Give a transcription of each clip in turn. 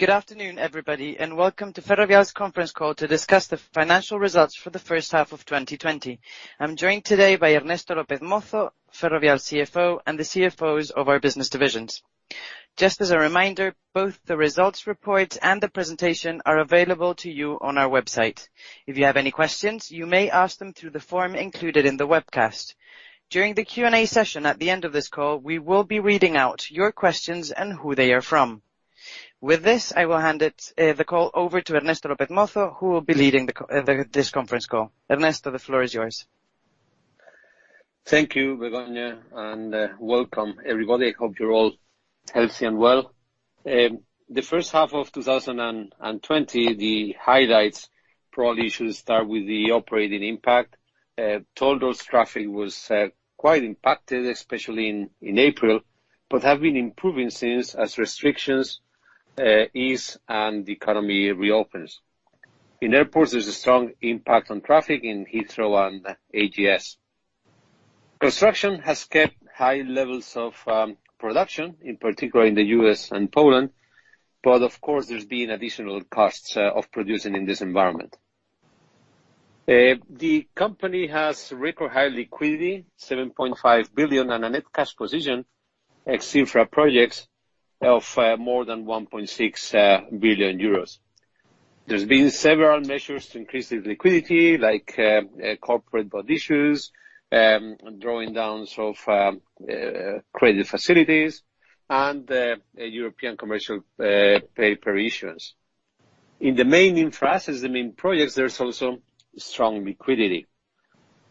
Good afternoon, everybody, and welcome to Ferrovial's conference call to discuss the financial results for the first half of 2020. I am joined today by Ernesto López Mozo, Ferrovial CFO, and the CFOs of our business divisions. Just as a reminder, both the results report and the presentation are available to you on our website. If you have any questions, you may ask them through the form included in the webcast. During the Q&A session at the end of this call, we will be reading out your questions and who they are from. With this, I will hand the call over to Ernesto López Mozo, who will be leading this conference call. Ernesto, the floor is yours. Thank you, Begoña, and welcome everybody. I hope you're all healthy and well. The first half of 2020, the highlights probably should start with the operating impact. Toll roads traffic was quite impacted, especially in April, but have been improving since as restrictions ease and the economy reopens. In airports, there's a strong impact on traffic in Heathrow and AGS. Construction has kept high levels of production, in particular in the U.S. and Poland, but of course, there's been additional costs of producing in this environment. The company has record high liquidity, 7.5 billion, and a net cash position, ex Cintra projects, of more than 1.6 billion euros. There's been several measures to increase the liquidity, like corporate bond issues, drawing downs of credit facilities, and European commercial paper issuance. In the main infrastructures, the main projects, there's also strong liquidity,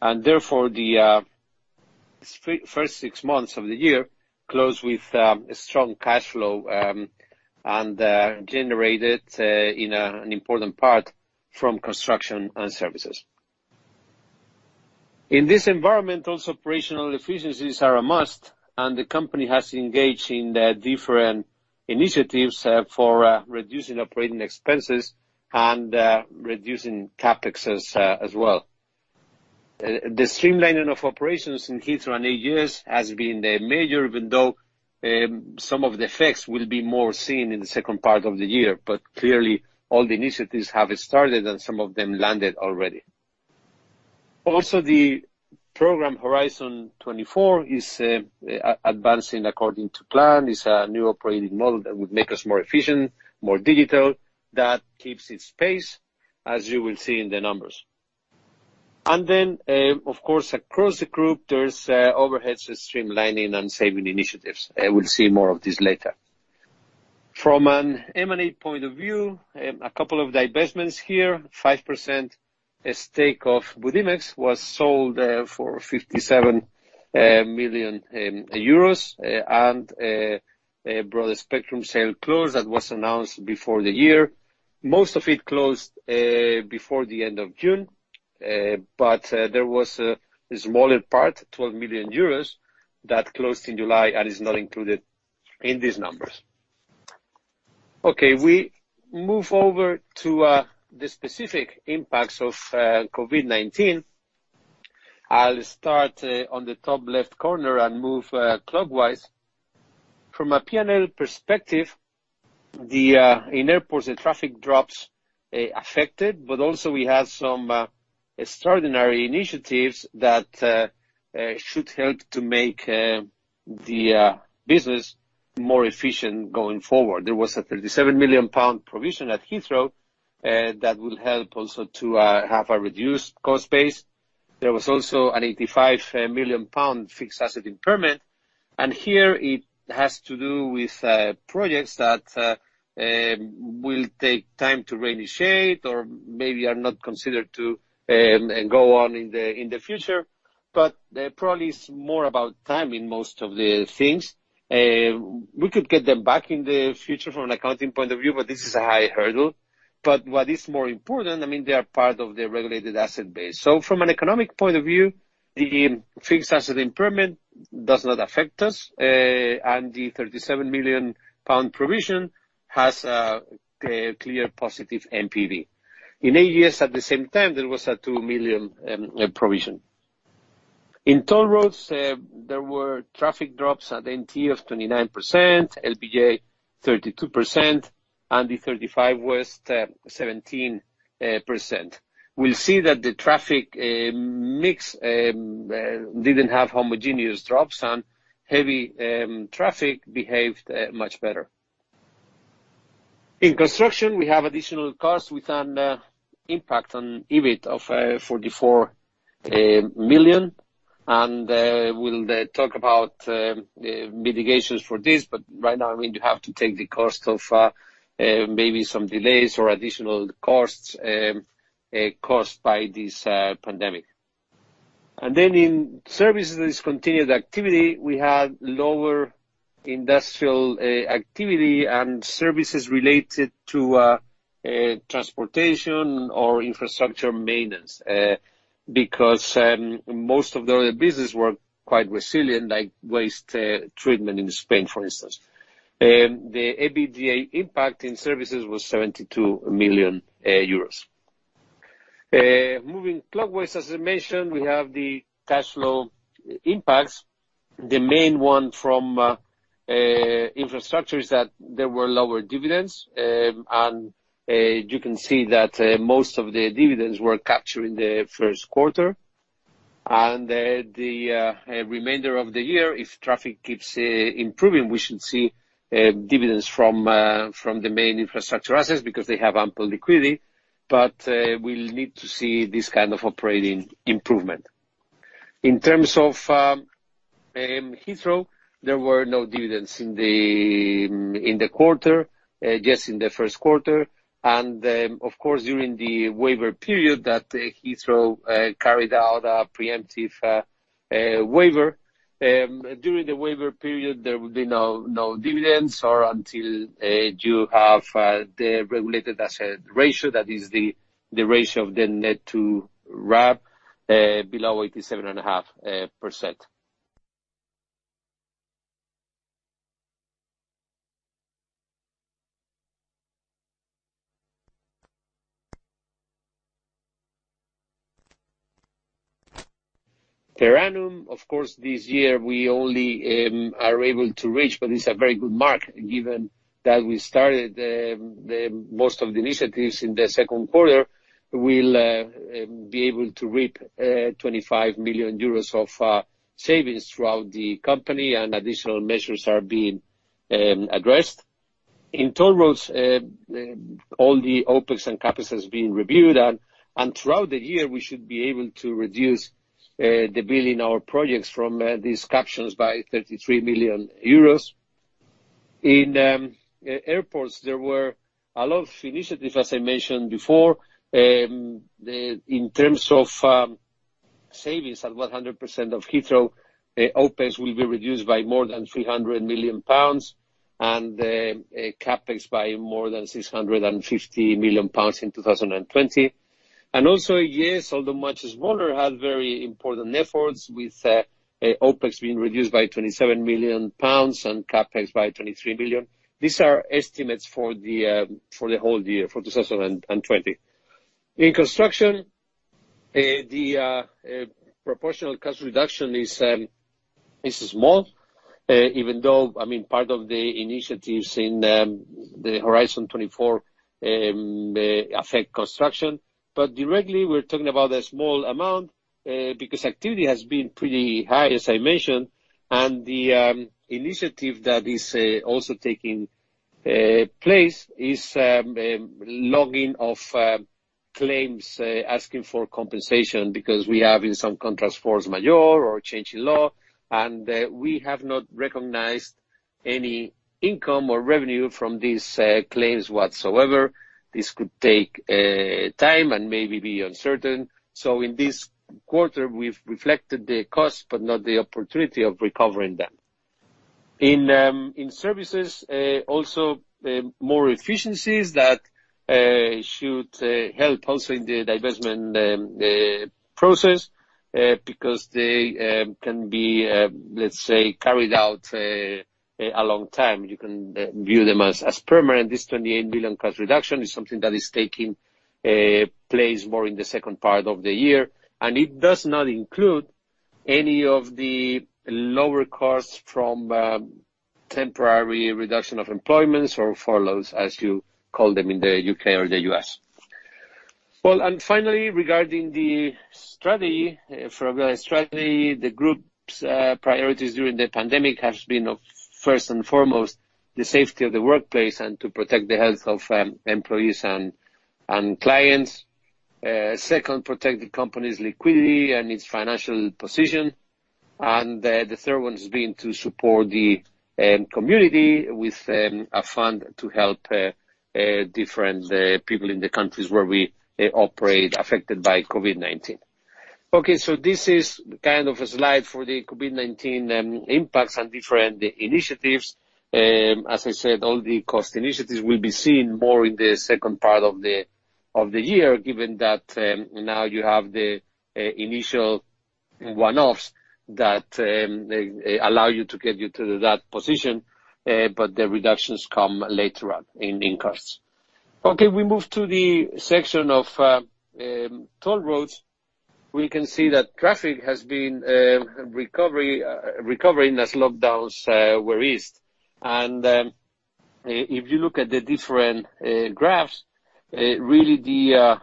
and therefore the first six months of the year closed with strong cash flow, and generated an important part from construction and services. In this environment, also, operational efficiencies are a must, the company has engaged in different initiatives for reducing OpEx and reducing CapEx as well. The streamlining of operations in Heathrow and AGS has been major, even though some of the effects will be more seen in the second part of the year. Clearly, all the initiatives have started and some of them landed already. The program Horizon 24 is advancing according to plan. It's a new operating model that would make us more efficient, more digital, that keeps its pace, as you will see in the numbers. Then, of course, across the group, there's overhead streamlining and saving initiatives. We'll see more of this later. From an M&A point of view, a couple of divestments here, 5% stake of Budimex was sold for 57 million euros and Broadspectrum sale closed. That was announced before the year. Most of it closed before the end of June, but there was a smaller part, 12 million euros, that closed in July and is not included in these numbers. Okay. We move over to the specific impacts of COVID-19. I'll start on the top left corner and move clockwise. From a P&L perspective, in airports, the traffic drops affected, but also we have some extraordinary initiatives that should help to make the business more efficient going forward. There was a 37 million pound provision at Heathrow, that will help also to have a reduced cost base. There was also an 85 million pound fixed asset impairment, here it has to do with projects that will take time to initiate or maybe are not considered to go on in the future. Probably it's more about timing, most of the things. We could get them back in the future from an accounting point of view, but this is a high hurdle. What is more important, they are part of the regulated asset base. From an economic point of view, the fixed asset impairment does not affect us, and the 37 million pound provision has a clear positive NPV. In AGS, at the same time, there was a 2 million provision. In toll roads, there were traffic drops at NTE of 29%, LBJ 32%, and the 35 West 17%. We'll see that the traffic mix didn't have homogeneous drops, and heavy traffic behaved much better. In construction, we have additional costs with an impact on EBIT of 44 million. We'll talk about mitigations for this. Right now, you have to take the cost of maybe some delays or additional costs, caused by this pandemic. In services discontinued activity, we had lower industrial activity and services related to transportation or infrastructure maintenance. Because most of the other business were quite resilient, like waste treatment in Spain, for instance. The EBITDA impact in services was 72 million euros. Moving clockwise, as I mentioned, we have the cash flow impacts. The main one from infrastructure is that there were lower dividends. You can see that most of the dividends were captured in the first quarter. The remainder of the year, if traffic keeps improving, we should see dividends from the main infrastructure assets because they have ample liquidity, but we'll need to see this kind of operating improvement. In terms of Heathrow, there were no dividends in the quarter, just in the first quarter. Of course, during the waiver period, that Heathrow carried out a preemptive waiver. During the waiver period, there will be no dividends or until you have the regulated asset ratio. That is the ratio of the net to RAB below 87.5%. Per annum, of course, this year, we only are able to reach, but it's a very good mark given that we started most of the initiatives in the second quarter. We'll be able to reap 25 million euros of savings throughout the company, and additional measures are being addressed. In toll roads, all the OpEx and CapEx has been reviewed, and throughout the year, we should be able to reduce the billion dollar projects from these captions by 33 million euros. In airports, there were a lot of initiatives, as I mentioned before. In terms of savings at 100% of Heathrow, OpEx will be reduced by more than 300 million pounds and CapEx by more than 650 million pounds in 2020. Also, AGS, although much smaller, had very important efforts with OpEx being reduced by 27 million pounds and CapEx by 23 million. These are estimates for the whole year, 2020. In construction, the proportional cost reduction is small, even though part of the initiatives in the Horizon 24 affect construction. Directly, we're talking about a small amount because activity has been pretty high, as I mentioned. The initiative that is also taking place is logging of claims asking for compensation because we have in some contracts force majeure or change in law, and we have not recognized any income or revenue from these claims whatsoever. This could take time and maybe be uncertain. In this quarter, we've reflected the cost, but not the opportunity of recovering them. In services, also more efficiencies that should help also in the divestment process because they can be, let's say, carried out a long time. You can view them as permanent. This 28 million cost reduction is something that is taking place more in the second part of the year, and it does not include any of the lower costs from temporary reduction of employments or furloughs, as you call them in the U.K. or the U.S. Finally, regarding the strategy, Ferrovial strategy, the group's priorities during the pandemic has been of first and foremost, the safety of the workplace and to protect the health of employees and clients. Second, protect the company's liquidity and its financial position. The third one has been to support the community with a fund to help different people in the countries where we operate affected by COVID-19. This is kind of a slide for the COVID-19 impacts and different initiatives. As I said, all the cost initiatives will be seen more in the second part of the year, given that now you have the initial one-offs that allow you to get you to that position, but the reductions come later on in costs. We move to the section of toll roads. We can see that traffic has been recovering as lockdowns were eased. If you look at the different graphs, really the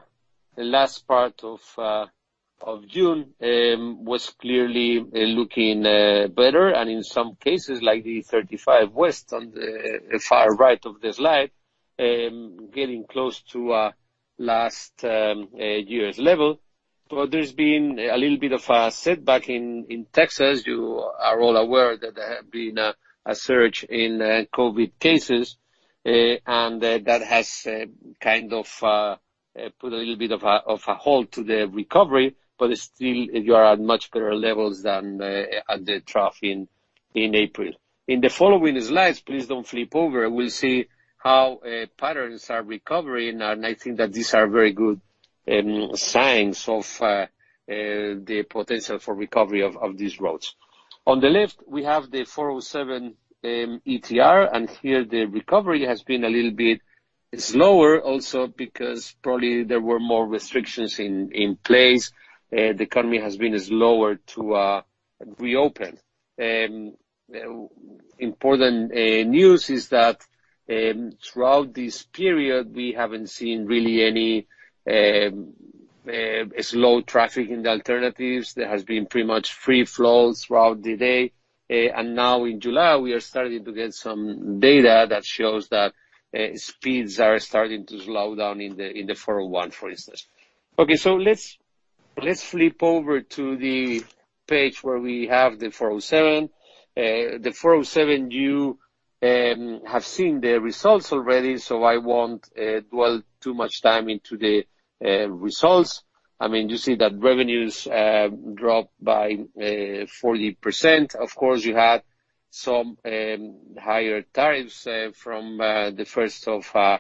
last part of June was clearly looking better, and in some cases, like the 35 West on the far right of the slide, getting close to last year's level. There's been a little bit of a setback in Texas. You are all aware that there have been a surge in COVID cases, and that has kind of put a little bit of a halt to the recovery, but still, you are at much better levels than at the trough in April. In the following slides, please don't flip over. We'll see how patterns are recovering, and I think that these are very good signs of the potential for recovery of these roads. On the left, we have the 407 ETR, and here the recovery has been a little bit slower also because probably there were more restrictions in place. The economy has been slower to reopen. Important news is that throughout this period, we haven't seen really any slow traffic in the alternatives. There has been pretty much free flow throughout the day. Now in July, we are starting to get some data that shows that speeds are starting to slow down in the 401, for instance. Okay, let's flip over to the page where we have the 407. The 407, you have seen the results already, I won't well too much time into the results. You see that revenues dropped by 40%. Of course, you had some higher tariffs from the 1st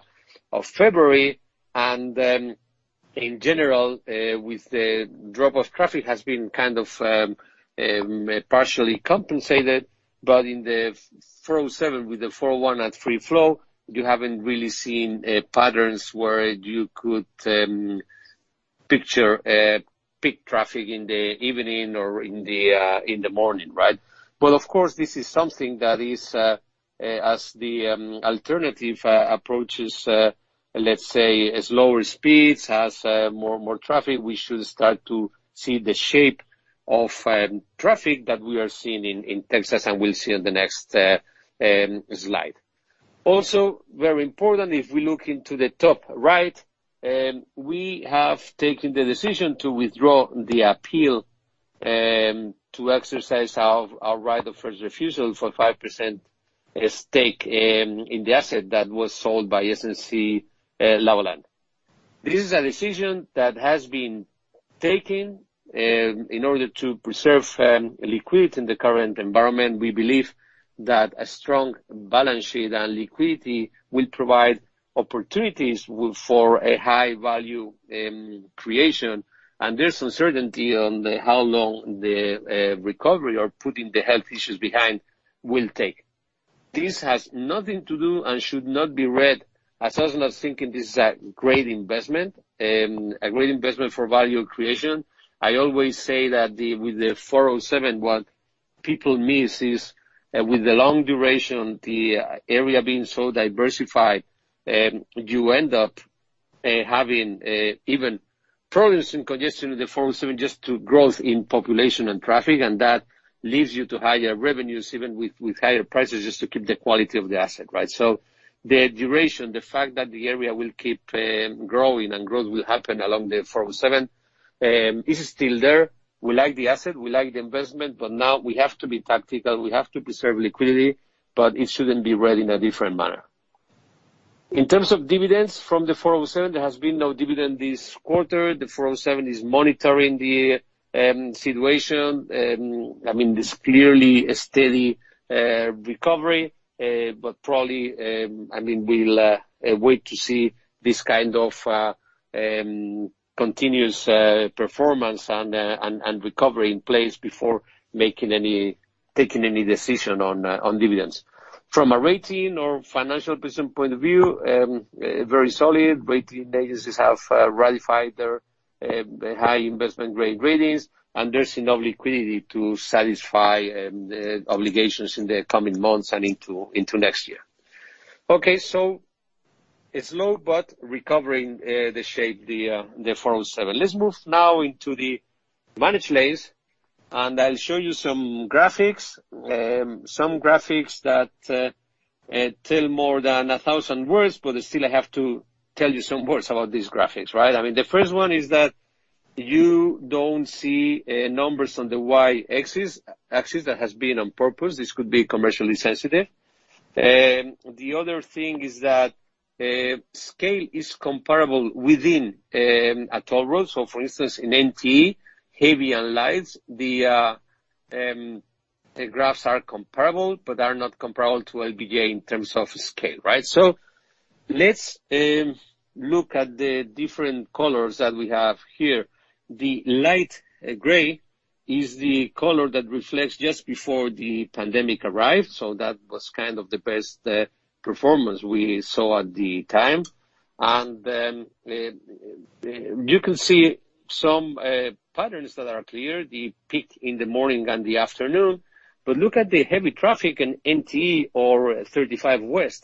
of February, in general, with the drop of traffic has been kind of partially compensated. In the 407 with the 401 at free flow, you haven't really seen patterns where you could picture peak traffic in the evening or in the morning, right? Of course, this is something that is as the alternative approaches let's say slower speeds, has more traffic, we should start to see the shape of traffic that we are seeing in Texas and we'll see on the next slide. Very important, if we look into the top right, we have taken the decision to withdraw the appeal to exercise our right of first refusal for 5% stake in the asset that was sold by SNC-Lavalin. This is a decision that has been taken in order to preserve liquidity in the current environment. We believe that a strong balance sheet and liquidity will provide opportunities for a high-value creation, and there's uncertainty on how long the recovery or putting the health issues behind will take. This has nothing to do and should not be read as us not thinking this is a great investment for value creation. I always say that with the 407, what people miss is with the long duration, the area being so diversified, you end up having even problems in congestion in the 407 just to growth in population and traffic, and that leads you to higher revenues even with higher prices just to keep the quality of the asset, right? The duration, the fact that the area will keep growing and growth will happen along the 407 is still there. We like the asset, we like the investment, but now we have to be tactical. We have to preserve liquidity, but it shouldn't be read in a different manner. In terms of dividends from the 407, there has been no dividend this quarter. The 407 is monitoring the situation. There's clearly a steady recovery, but probably we'll wait to see this kind of continuous performance and recovery in place before taking any decision on dividends. From a rating or financial position point of view, very solid. Rating agencies have ratified their high investment-grade ratings, and there's enough liquidity to satisfy the obligations in the coming months and into next year. Okay, slow but recovering the shape, the 407. Let's move now into the managed lanes. I'll show you some graphics that tell more than 1,000 words, but still I have to tell you some words about these graphics, right? The first one is that you don't see numbers on the y-axis. That has been on purpose. This could be commercially sensitive. For instance, in NTE, heavy and lights, the graphs are comparable but are not comparable to LBJ in terms of scale, right? Let's look at the different colors that we have here. The light gray is the color that reflects just before the pandemic arrived, so that was kind of the best performance we saw at the time. You can see some patterns that are clear, the peak in the morning and the afternoon. Look at the heavy traffic in NTE or 35W.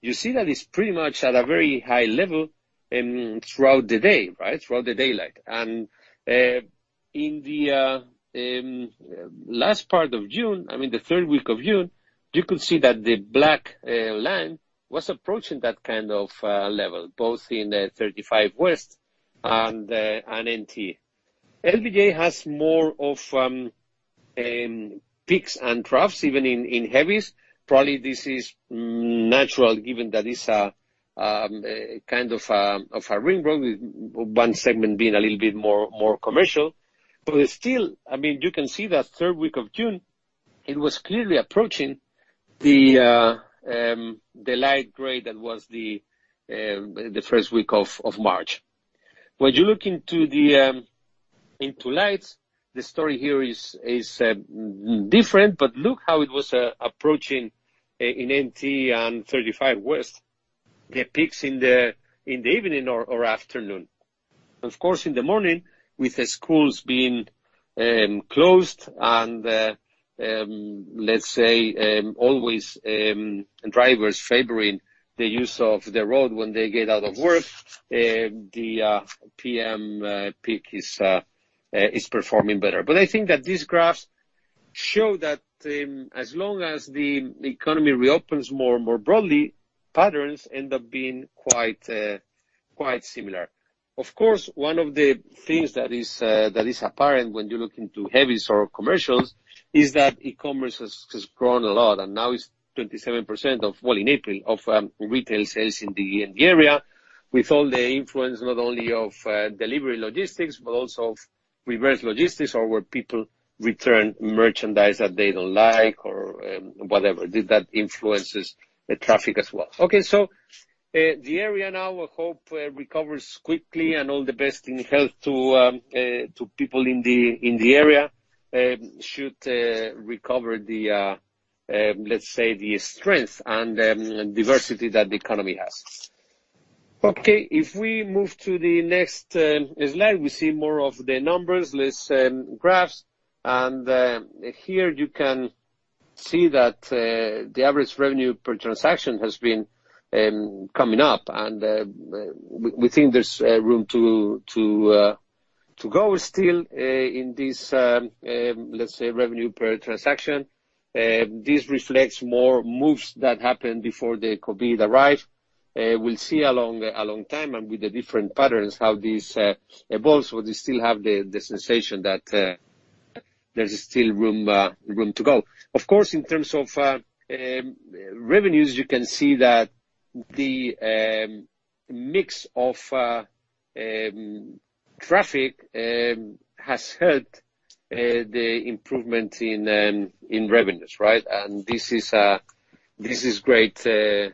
You see that it's pretty much at a very high level throughout the day, right? Throughout the daylight. In the last part of June, the third week of June, you could see that the black line was approaching that kind of level, both in the 35W and NTE. LBJ has more of peaks and troughs, even in heavies. Probably this is natural given that it's a kind of a ring road with one segment being a little bit more commercial. Still, you can see that third week of June, it was clearly approaching the light gray that was the first week of March. When you look into lights, the story here is different, but look how it was approaching in NTE and 35W. There are peaks in the evening or afternoon. Of course, in the morning, with the schools being closed and, let's say, always drivers favoring the use of the road when they get out of work, the PM peak is performing better. I think that these graphs show that as long as the economy reopens more and more broadly, patterns end up being quite similar. Of course, one of the things that is apparent when you look into heavies or commercials is that e-commerce has grown a lot, and now it's 27%, well, in April, of retail sales in the area, with all the influence not only of delivery logistics but also of reverse logistics or where people return merchandise that they don't like or whatever. That influences the traffic as well. Okay. The area now, we hope, recovers quickly, and all the best in health to people in the area, should recover the, let's say, the strength and diversity that the economy has. Okay. If we move to the next slide, we see more of the numbers, less graphs. Here you can see that the average revenue per transaction has been coming up, and we think there's room to go still in this, let's say, revenue per transaction. This reflects more moves that happened before the COVID arrived. We'll see a long time and with the different patterns how this evolves, but we still have the sensation that there's still room to go. Of course, in terms of revenues, you can see that the mix of traffic has helped the improvement in revenues. Right? This is great news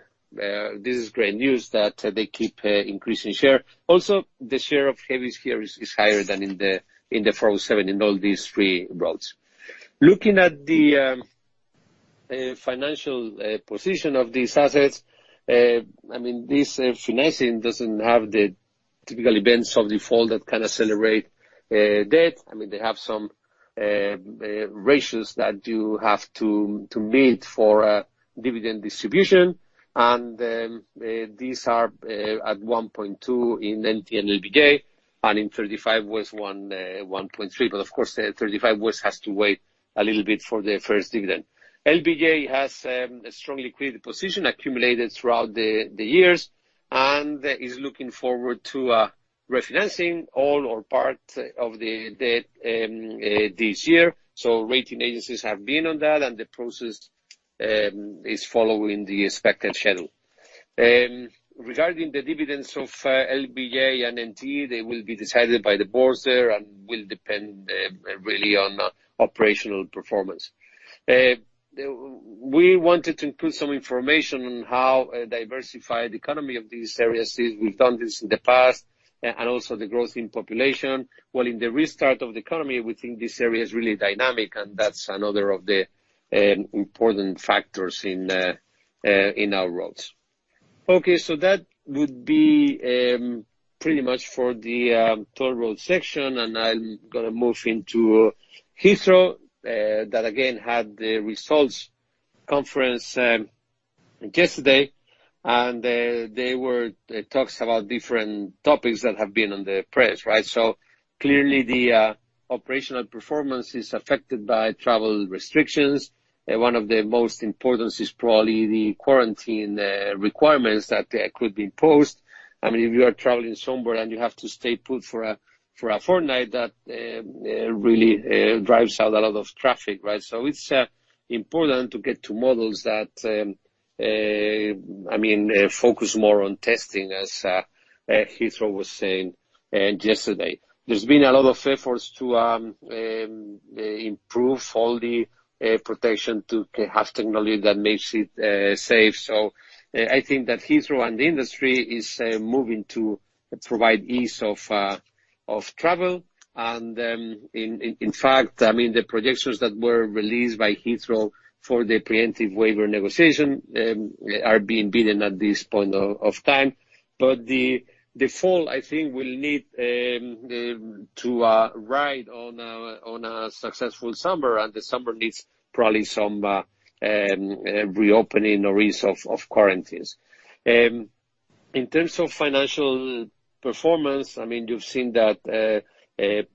that they keep increasing share. Also, the share of heavies here is higher than in the 407 in all these three roads. Looking at the financial position of these assets, this financing doesn't have the typical events of default that can accelerate debt. They have some ratios that you have to meet for dividend distribution, and these are at 1.2 in NTE and LBJ, and in 35 West, 1.3. Of course, the 35 West has to wait a little bit for the first dividend. LBJ has a strong liquidity position accumulated throughout the years and is looking forward to refinancing all or part of the debt this year. Rating agencies have been on that, and the process is following the expected schedule. Regarding the dividends of LBJ and NTE, they will be decided by the boards there and will depend really on operational performance. We wanted to include some information on how diversified the economy of these areas is. We've done this in the past, and also the growth in population. Well, in the restart of the economy, we think this area is really dynamic, and that's another of the important factors in our roads. Okay. That would be pretty much for the toll road section, and I'm going to move into Heathrow. That again, had the results conference yesterday, and there were talks about different topics that have been on the press. Right? Clearly the operational performance is affected by travel restrictions. One of the most important is probably the quarantine requirements that could be imposed. If you are traveling somewhere and you have to stay put for a fortnight, that really drives out a lot of traffic. Right? It's important to get to models that focus more on testing, as Heathrow was saying yesterday. There's been a lot of efforts to improve all the protection to have technology that makes it safe. I think that Heathrow and the industry is moving to provide ease of travel. In fact, the projections that were released by Heathrow for the preemptive waiver negotiation are being beaten at this point of time. The fall, I think, will need to ride on a successful summer, and the summer needs probably some reopening or ease of quarantines. In terms of financial performance, you've seen that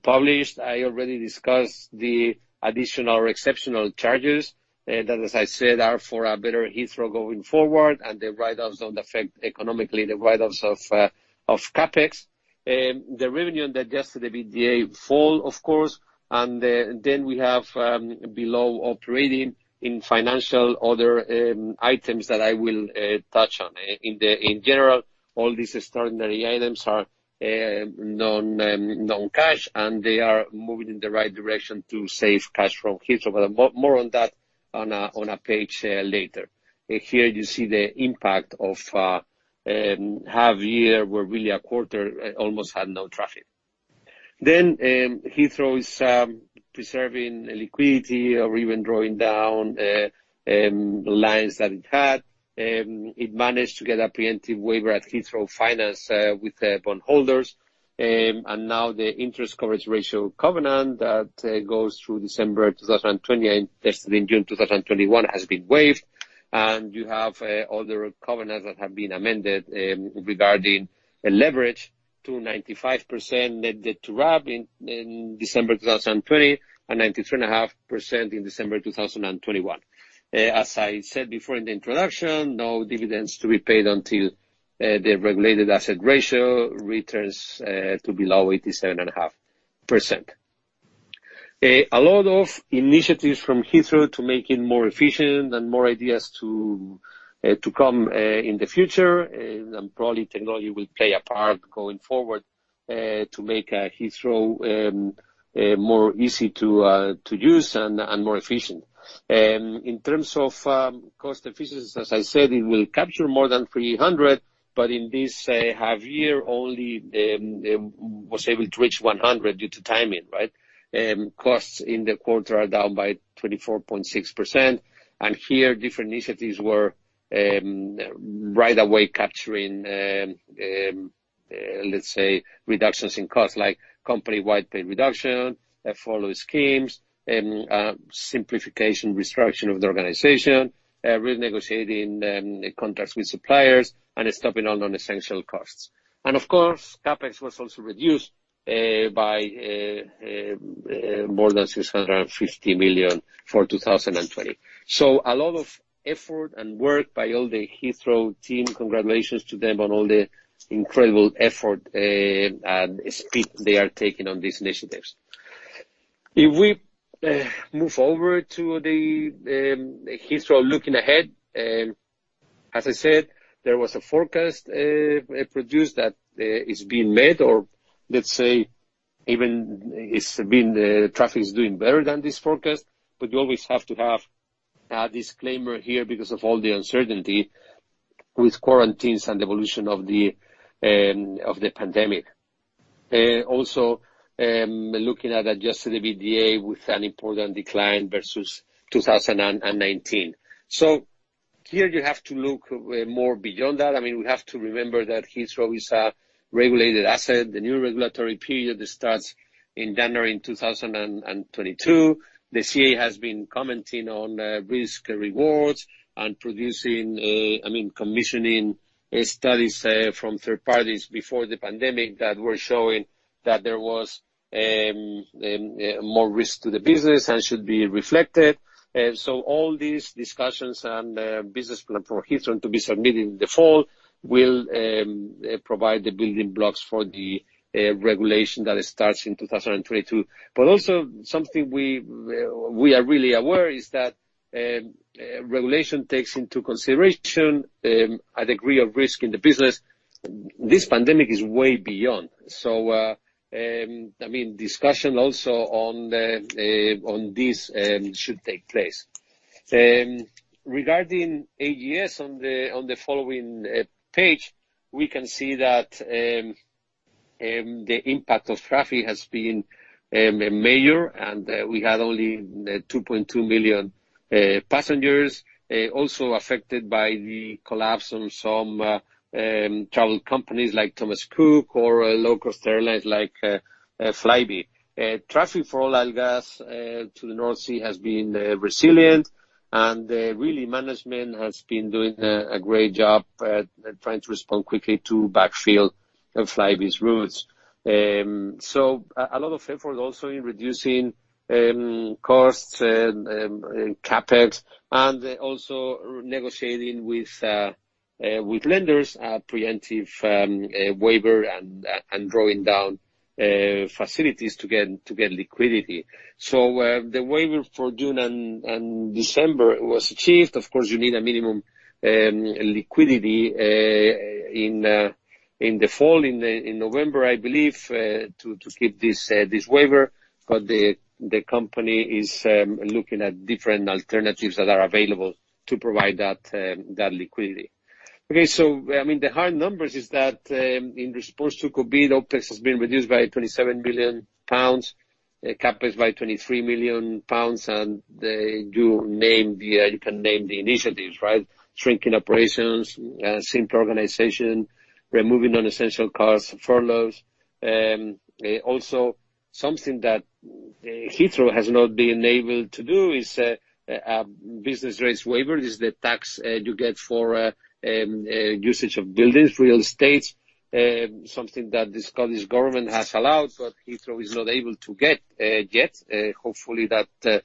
published. I already discussed the additional exceptional charges. That, as I said, are for a better Heathrow going forward, and the write-offs don't affect economically the write-offs of CapEx. The revenue and the adjusted EBITDA fall, of course, and then we have below operating in financial other items that I will touch on. In general, all these extraordinary items are non-cash, and they are moving in the right direction to save cash from Heathrow. More on that on a page later. Here you see the impact of the half year, where really a quarter almost had no traffic. Heathrow is preserving liquidity or even drawing down lines that it had. It managed to get a preemptive waiver at Heathrow Finance with the bondholders, and now the interest coverage ratio covenant that goes through December 2020 and tested in June 2021 has been waived. You have other covenants that have been amended, regarding leverage to 95% net debt to RAB in December 2020, and 93.5% in December 2021. As I said before in the introduction, no dividends to be paid until the regulated asset ratio returns to below 87.5%. A lot of initiatives from Heathrow to make it more efficient and more ideas to come in the future, probably technology will play a part going forward to make Heathrow more easy to use and more efficient. In terms of cost efficiencies, as I said, it will capture more than 300, but in this half year, only was able to reach 100 due to timing. Costs in the quarter are down by 24.6%, here different initiatives were right away capturing, let's say, reductions in costs, like company-wide pay reduction, furlough schemes, simplification, restructuring of the organization, renegotiating contracts with suppliers, and stopping all non-essential costs. Of course, CapEx was also reduced by more than 650 million for 2020. A lot of effort and work by all the Heathrow team. Congratulations to them on all the incredible effort and speed they are taking on these initiatives. We move forward to the Heathrow looking ahead. As I said, there was a forecast produced that is being met, or let's say even traffic is doing better than this forecast. You always have to have a disclaimer here because of all the uncertainty with quarantines and evolution of the pandemic. Looking at adjusted EBITDA with an important decline versus 2019. Here you have to look more beyond that. We have to remember that Heathrow is a regulated asset. The new regulatory period starts in January 2022. The CAA has been commenting on risk rewards and commissioning studies from third parties before the pandemic that were showing that there was more risk to the business and should be reflected. All these discussions and business plan for Heathrow to be submitted in the fall will provide the building blocks for the regulation that starts in 2022. Also something we are really aware is that regulation takes into consideration a degree of risk in the business. This pandemic is way beyond. Discussion also on this should take place. Regarding AGS on the following page, we can see that the impact of traffic has been major, and we had only 2.2 million passengers also affected by the collapse of some travel companies like Thomas Cook or low-cost airlines like Flybe. Traffic for AGS to the North Sea has been resilient, and really, management has been doing a great job at trying to respond quickly to backfill Flybe's routes. A lot of effort also in reducing costs and CapEx, and also negotiating with lenders a preemptive waiver and drawing down facilities to get liquidity. The waiver for June and December was achieved. Of course, you need a minimum liquidity in the fall, in November, I believe, to keep this waiver, but the company is looking at different alternatives that are available to provide that liquidity. Okay. The hard numbers is that in response to COVID, OpEx has been reduced by 27 million pounds, CapEx by 23 million pounds, and you can name the initiatives. Shrinking operations, simpler organization, removing non-essential costs, furloughs. Also, something that Heathrow has not been able to do is a business rates waiver, is the tax you get for usage of buildings, real estate. Something that the Scottish Government has allowed, but Heathrow is not able to get yet. Hopefully, that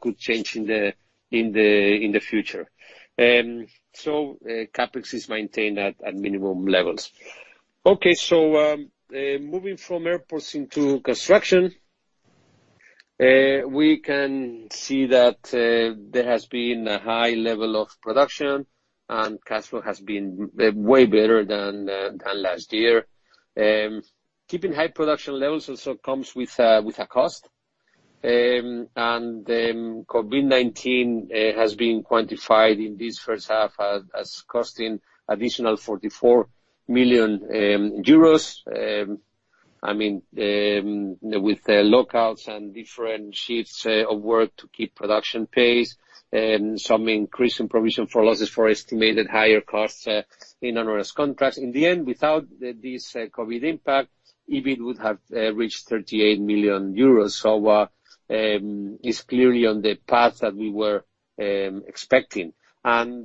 could change in the future. CapEx is maintained at minimum levels. Okay. Moving from airports into construction. We can see that there has been a high level of production, and cash flow has been way better than last year. Keeping high production levels also comes with a cost. The COVID-19 has been quantified in this first half as costing additional EUR 44 million. With the lockouts and different shifts of work to keep production pace, and some increase in provision for losses for estimated higher costs in onerous contracts. In the end, without this COVID impact, EBIT would have reached 38 million euros. It's clearly on the path that we were expecting. Probably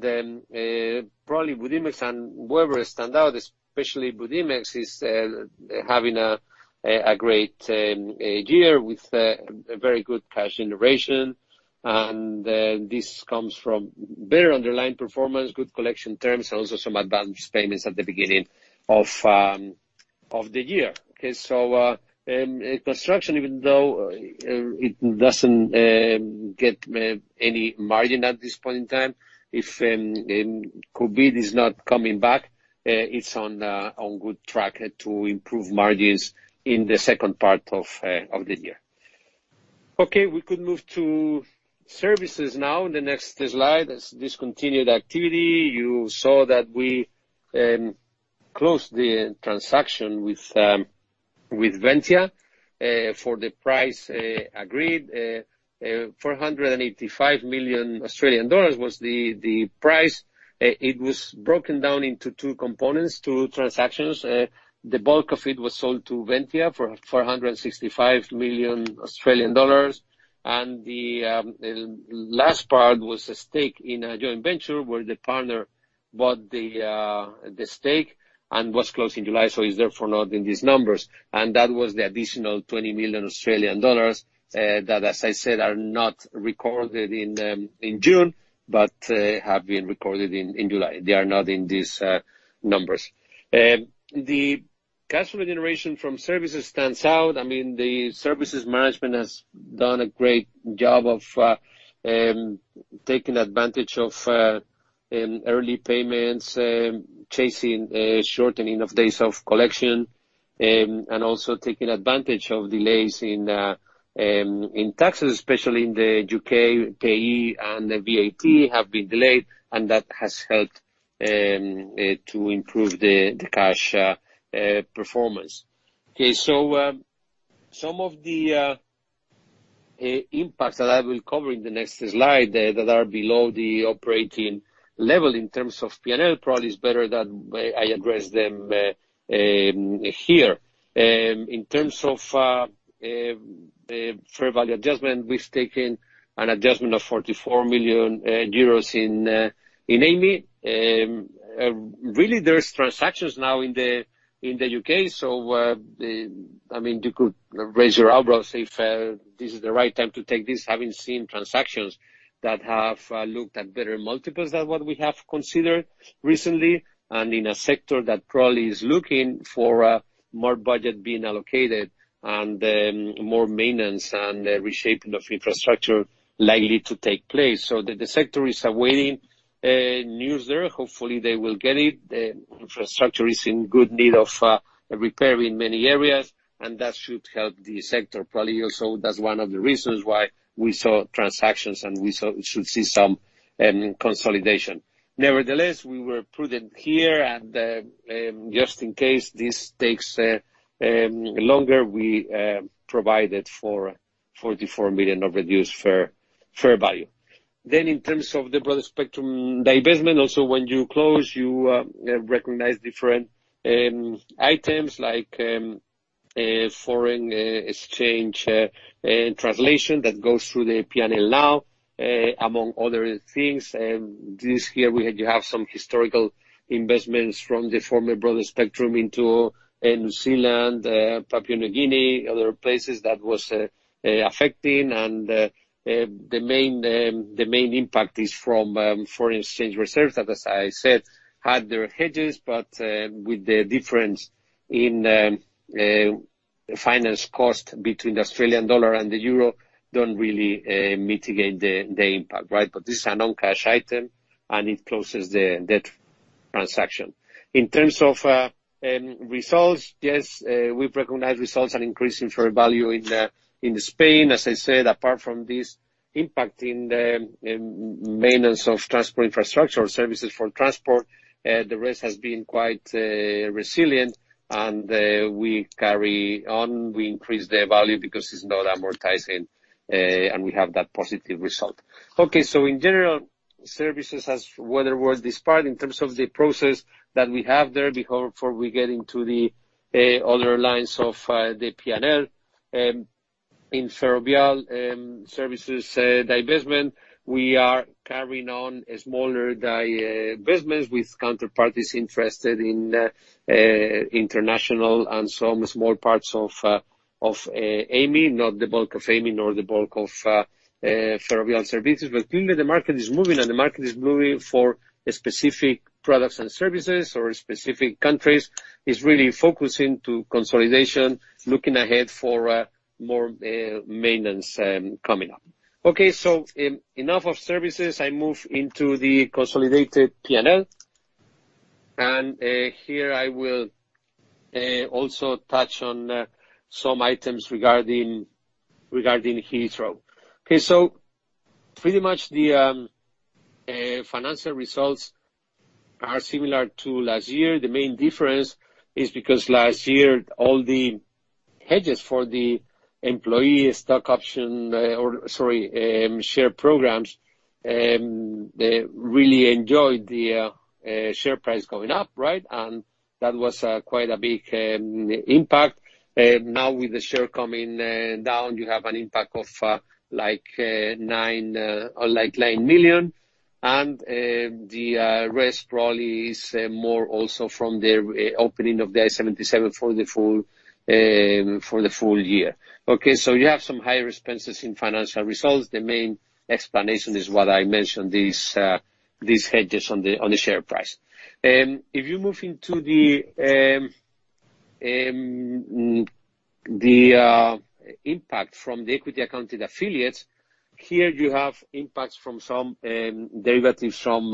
Budimex and Webber stand out, especially Budimex is having a great year with a very good cash generation. This comes from better underlying performance, good collection terms, and also some advanced payments at the beginning of the year. Okay. Construction, even though it doesn't get any margin at this point in time, if COVID is not coming back, it's on good track to improve margins in the second part of the year. Okay. We could move to services now in the next slide. That's discontinued activity. You saw that we closed the transaction with Ventia, for the price agreed. 485 million Australian dollars was the price. It was broken down into two components, two transactions. The bulk of it was sold to Ventia for 465 million Australian dollars, and the last part was a stake in a joint venture where the partner bought the stake and was closed in July, so is therefore not in these numbers. That was the additional 20 million Australian dollars, that, as I said, are not recorded in June, but have been recorded in July. They are not in these numbers. The cash generation from services stands out. The services management has done a great job of taking advantage of early payments, chasing, shortening of days of collection, and also taking advantage of delays in taxes, especially in the U.K., PAYE and VAT have been delayed, and that has helped to improve the cash performance. Okay. Some of the impacts that I will cover in the next slide that are below the operating level in terms of P&L, probably is better that I address them here. In terms of fair value adjustment, we've taken an adjustment of 44 million euros in Amey. Really, there's transactions now in the U.K. You could raise your eyebrows if this is the right time to take this, having seen transactions that have looked at better multiples than what we have considered recently, and in a sector that probably is looking for more budget being allocated and more maintenance and reshaping of infrastructure likely to take place. The sector is awaiting news there. Hopefully, they will get it. The infrastructure is in good need of repair in many areas, and that should help the sector. Probably also that is one of the reasons why we saw transactions, and we should see some consolidation. Nevertheless, we were prudent here, and just in case this takes longer, we provided for 44 million of reduced fair value. In terms of the Broadspectrum divestment, also when you close, you recognize different items like foreign exchange translation that goes through the P&L now, among other things. This year, we have some historical investments from the former Broadspectrum into New Zealand, Papua New Guinea, other places that was affecting. The main impact is from foreign exchange reserves that, as I said, had their hedges, but with the difference in finance cost between the Australian dollar and the euro, don't really mitigate the impact, right? This is a non-cash item, and it closes that transaction. In terms of results, yes, we've recognized results are increase in fair value in Spain. As I said, apart from this impact in the maintenance of transport infrastructure or services for transport, the rest has been quite resilient, and we carry on. We increase the value because it's not amortizing, and we have that positive result. Okay. In general, services has weathered well this part in terms of the process that we have there, before we get into the other lines of the P&L. In Ferrovial Services divestment, we are carrying on a smaller divestment with counterparties interested in international and some small parts of Amey, not the bulk of Amey, nor the bulk of Ferrovial Services. Clearly the market is moving, and the market is moving for specific products and services or specific countries. It's really focusing to consolidation, looking ahead for more maintenance coming up. Okay. Enough of services. I move into the consolidated P&L. Here I will also touch on some items regarding Heathrow. Okay, pretty much the financial results are similar to last year. The main difference is because last year, all the hedges for the employee stock option or sorry, share programs, they really enjoyed the share price going up, right? That was quite a big impact. Now with the share coming down, you have an impact of like 9 million, and the rest probably is more also from the opening of the I-77 for the full year. You have some higher expenses in financial results. The main explanation is what I mentioned, these hedges on the share price. If you move into the impact from the equity accounted affiliates, here you have impacts from some derivatives from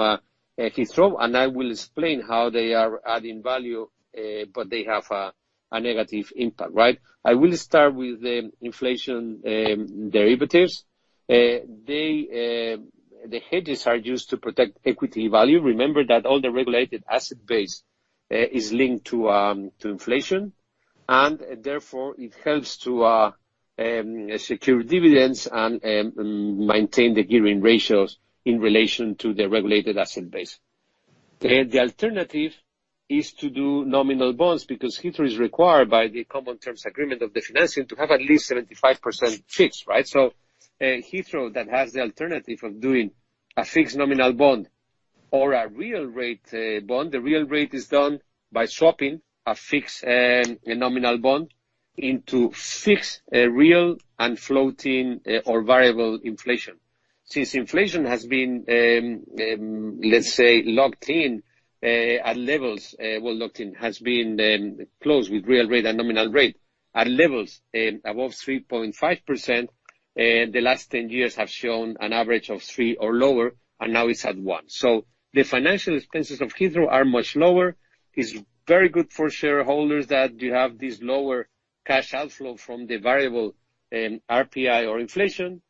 Heathrow, and I will explain how they are adding value, but they have a negative impact, right? I will start with the inflation derivatives. The hedges are used to protect equity value. Remember that all the regulated asset base is linked to inflation. Therefore, it helps to secure dividends and maintain the gearing ratios in relation to the regulated asset base. The alternative is to do nominal bonds because Heathrow is required by the Common Terms Agreement of the financing to have at least 75% fixed, right? Heathrow, that has the alternative of doing a fixed nominal bond or a real rate bond. The real rate is done by swapping a fixed nominal bond into fixed, real, and floating, or variable inflation. Since inflation has been, let's say, locked in at levels, well, locked in, has been close with real rate and nominal rate at levels above 3.5%, the last 10 years have shown an average of three or lower, and now it's at one. The financial expenses of Heathrow are much lower. It's very good for shareholders that you have this lower cash outflow from the variable RPI or inflation.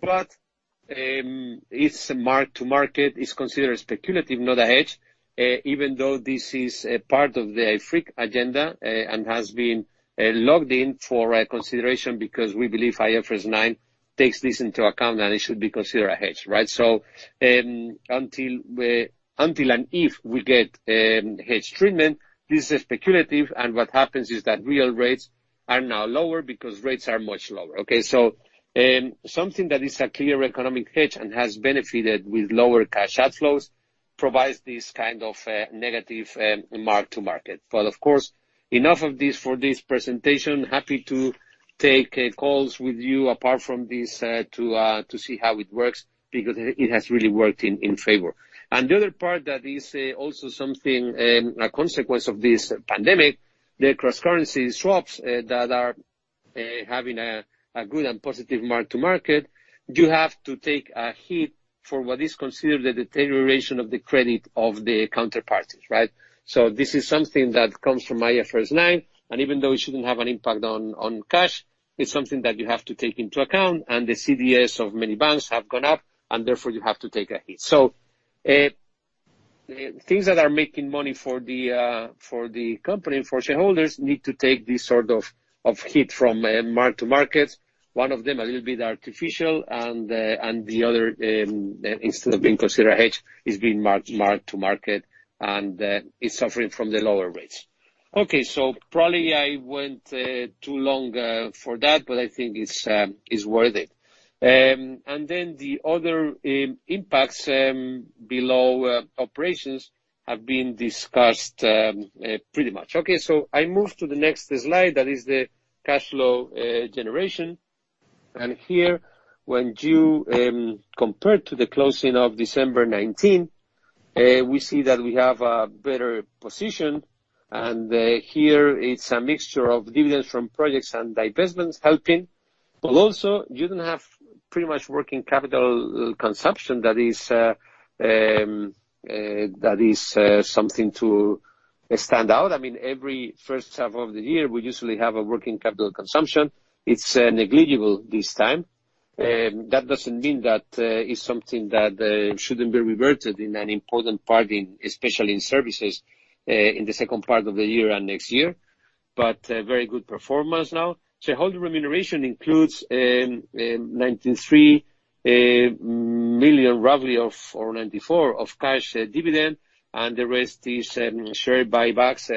It is mark-to-market, it is considered speculative, not a hedge, even though this is a part of the IFRIC agenda and has been logged in for consideration because we believe IFRS 9 takes this into account, and it should be considered a hedge, right? Until and if we get hedge treatment, this is speculative, and what happens is that real rates are now lower because rates are much lower. Something that is a clear economic hedge and has benefited with lower cash outflows provides this kind of negative mark-to-market. Of course, enough of this for this presentation. Happy to take calls with you apart from this to see how it works because it has really worked in favor. The other part that is also something, a consequence of this pandemic, the cross-currency swaps that are having a good and positive mark-to-market, you have to take a hit for what is considered the deterioration of the credit of the counterparties, right? This is something that comes from IFRS 9, and even though it shouldn't have an impact on cash, it's something that you have to take into account. The CDS of many banks have gone up, and therefore, you have to take a hit. Things that are making money for the company and for shareholders need to take this sort of hit from mark-to-market, one of them a little bit artificial, and the other, instead of being considered a hedge, is being marked mark-to-market, and is suffering from the lower rates. Okay, probably I went too long for that, but I think it's worth it. The other impacts below operations have been discussed pretty much. Okay, I move to the next slide, that is the cash flow generation. Here, when you compare to the closing of December 2019, we see that we have a better position. Here it's a mixture of dividends from projects and divestments helping. Also, you don't have pretty much working capital consumption. That is something to stand out. I mean, every first half of the year, we usually have a working capital consumption. It's negligible this time. That doesn't mean that it's something that shouldn't be reverted in an important part, especially in services, in the second part of the year and next year. Very good performance now. Shareholder remuneration includes 93 million, roughly of, or 94 million, of cash dividend, and the rest is share buybacks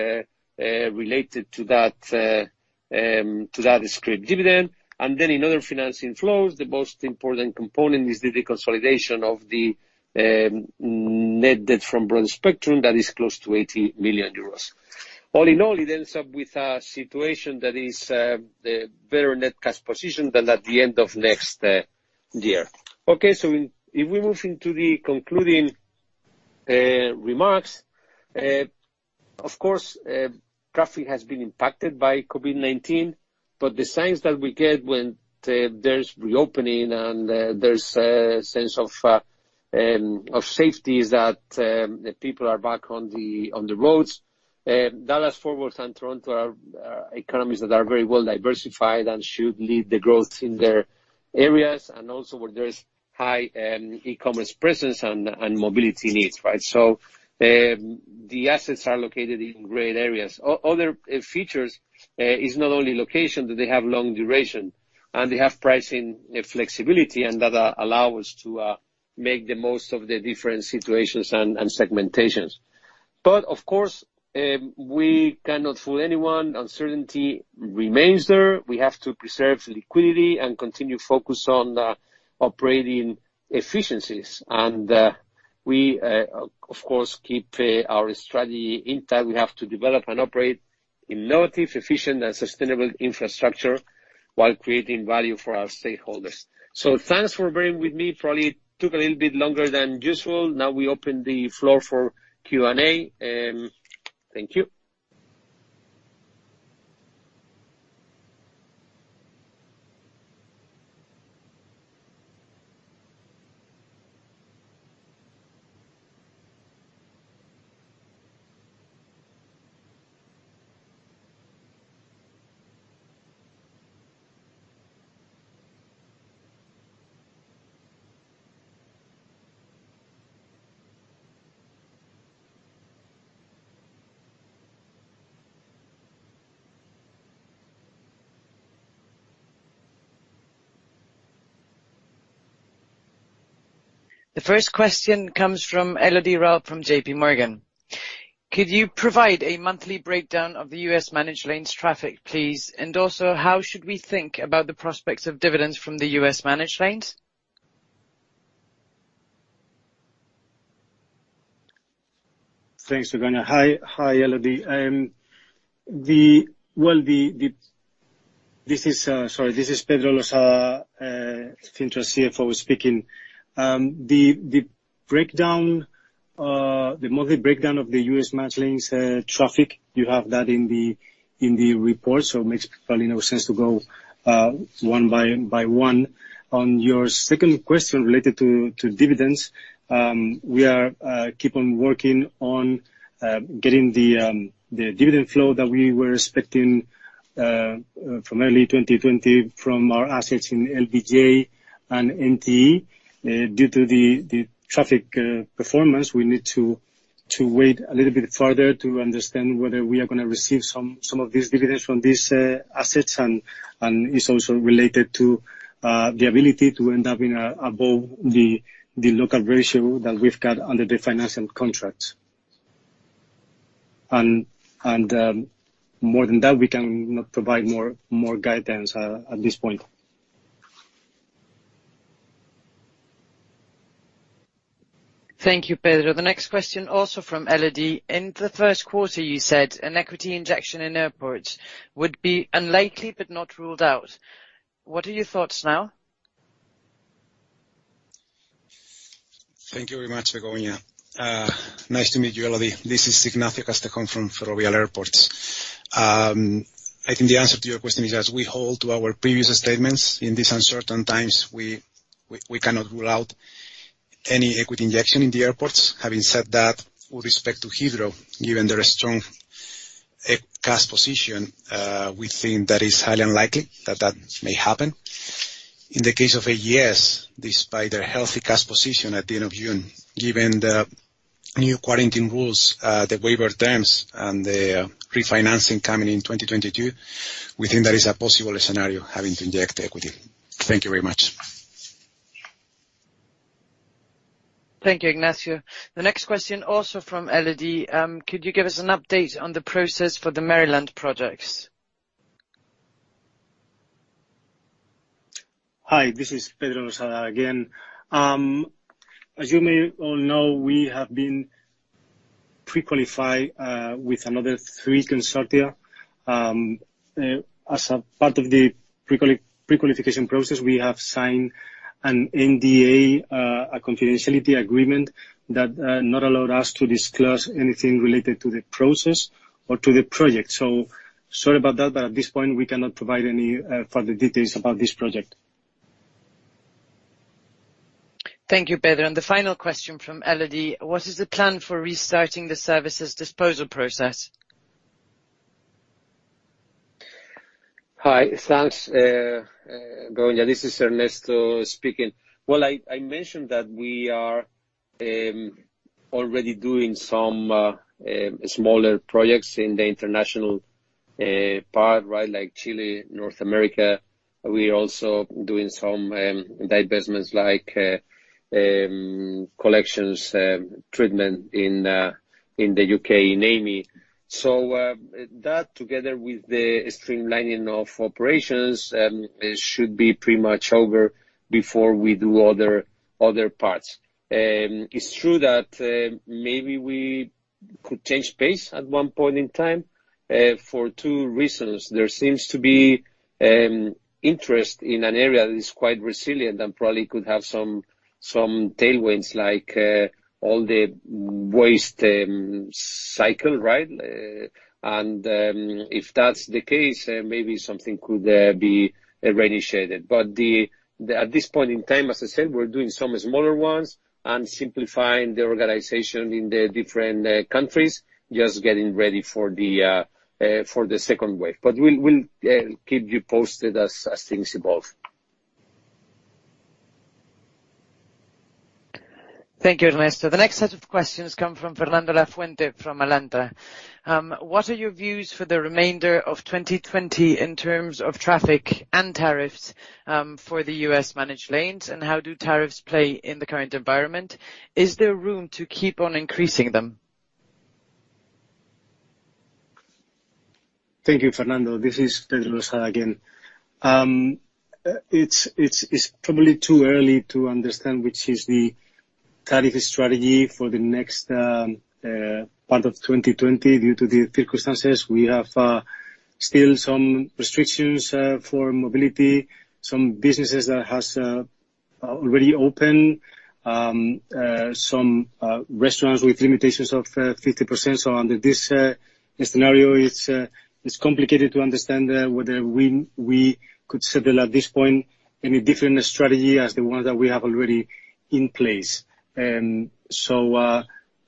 related to that scrip dividend. In other financing flows, the most important component is the deconsolidation of the net debt from Broadspectrum that is close to 80 million euros. All in all, it ends up with a situation that is a better net cash position than at the end of next year. Okay, if we move into the concluding remarks. Of course, traffic has been impacted by COVID-19, but the signs that we get when there's reopening and there's a sense of safety is that the people are back on the roads. Dallas, Fort Worth, and Toronto are economies that are very well diversified and should lead the growth in their areas, and also where there is high e-commerce presence and mobility needs. The assets are located in great areas. Other features is not only location, that they have long duration, and they have pricing flexibility, and that allow us to make the most of the different situations and segmentations. Of course, we cannot fool anyone. Uncertainty remains there. We have to preserve liquidity and continue focus on operating efficiencies. We, of course, keep our strategy intact. We have to develop and operate innovative, efficient, and sustainable infrastructure while creating value for our stakeholders. Thanks for bearing with me. Probably took a little bit longer than usual. Now we open the floor for Q&A. Thank you. The first question comes from Elodie Rall from JPMorgan. Could you provide a monthly breakdown of the U.S. managed lanes traffic, please? Also, how should we think about the prospects of dividends from the U.S. managed lanes? Thanks, Begoña. Hi, Elodie. Sorry, this is Pedro Losada, Ferrovial CFO, speaking. The monthly breakdown of the U.S. managed lanes traffic, you have that in the report, so it makes probably no sense to go one by one. On your second question related to dividends, we keep on working on getting the dividend flow that we were expecting from early 2020 from our assets in LBJ and NTE. Due to the traffic performance, we need to wait a little bit further to understand whether we are going to receive some of these dividends from these assets, and it's also related to the ability to end up above the lock-up ratio that we've got under the financial contracts. More than that, we cannot provide more guidance at this point. Thank you, Pedro. The next question, also from Elodie. In the first quarter, you said an equity injection in airports would be unlikely but not ruled out. What are your thoughts now? Thank you very much, Begoña. Nice to meet you, Elodie. This is Ignacio Castejón from Ferrovial Airports. I think the answer to your question is as we hold to our previous statements, in these uncertain times, we cannot rule out any equity injection in the airports. Having said that, with respect to Heathrow, given their strong cash position, we think that is highly unlikely that that may happen. In the case of AGS, despite their healthy cash position at the end of June, given the new quarantine rules, the waiver terms, and the refinancing coming in 2022, we think that is a possible scenario, having to inject equity. Thank you very much. Thank you, Ignacio. The next question, also from Elodie. Could you give us an update on the process for the Maryland projects? Hi, this is Pedro Losada again. As you may all know, we have been pre-qualified with another three consortia. A part of the pre-qualification process, we have signed an NDA, a confidentiality agreement that not allowed us to disclose anything related to the process or to the project. Sorry about that, but at this point, we cannot provide any further details about this project. Thank you, Pedro. The final question from Elodie. What is the plan for restarting the services disposal process? Hi. Thanks, Begoña. This is Ernesto speaking. Well, I mentioned that we are already doing some smaller projects in the international part, like Chile, North America. We are also doing some divestments like collections treatment in the U.K., in Amey. That together with the streamlining of operations, it should be pretty much over before we do other parts. It's true that maybe we could change pace at one point in time, for two reasons. There seems to be interest in an area that is quite resilient and probably could have some tailwinds, like all the waste cycle. If that's the case, maybe something could be initiated. At this point in time, as I said, we're doing some smaller ones and simplifying the organization in the different countries, just getting ready for the second wave. We'll keep you posted as things evolve. Thank you, Ernesto. The next set of questions come from Fernando Lafuente from Alantra. What are your views for the remainder of 2020 in terms of traffic and tariffs for the U.S. managed lanes, and how do tariffs play in the current environment? Is there room to keep on increasing them? Thank you, Fernando. This is Pedro Losada again. It's probably too early to understand which is the tariff strategy for the next part of 2020 due to the circumstances. We have still some restrictions for mobility, some businesses that has already open, some restaurants with limitations of 50%. Under this scenario, it's complicated to understand whether we could settle at this point any different strategy as the one that we have already in place.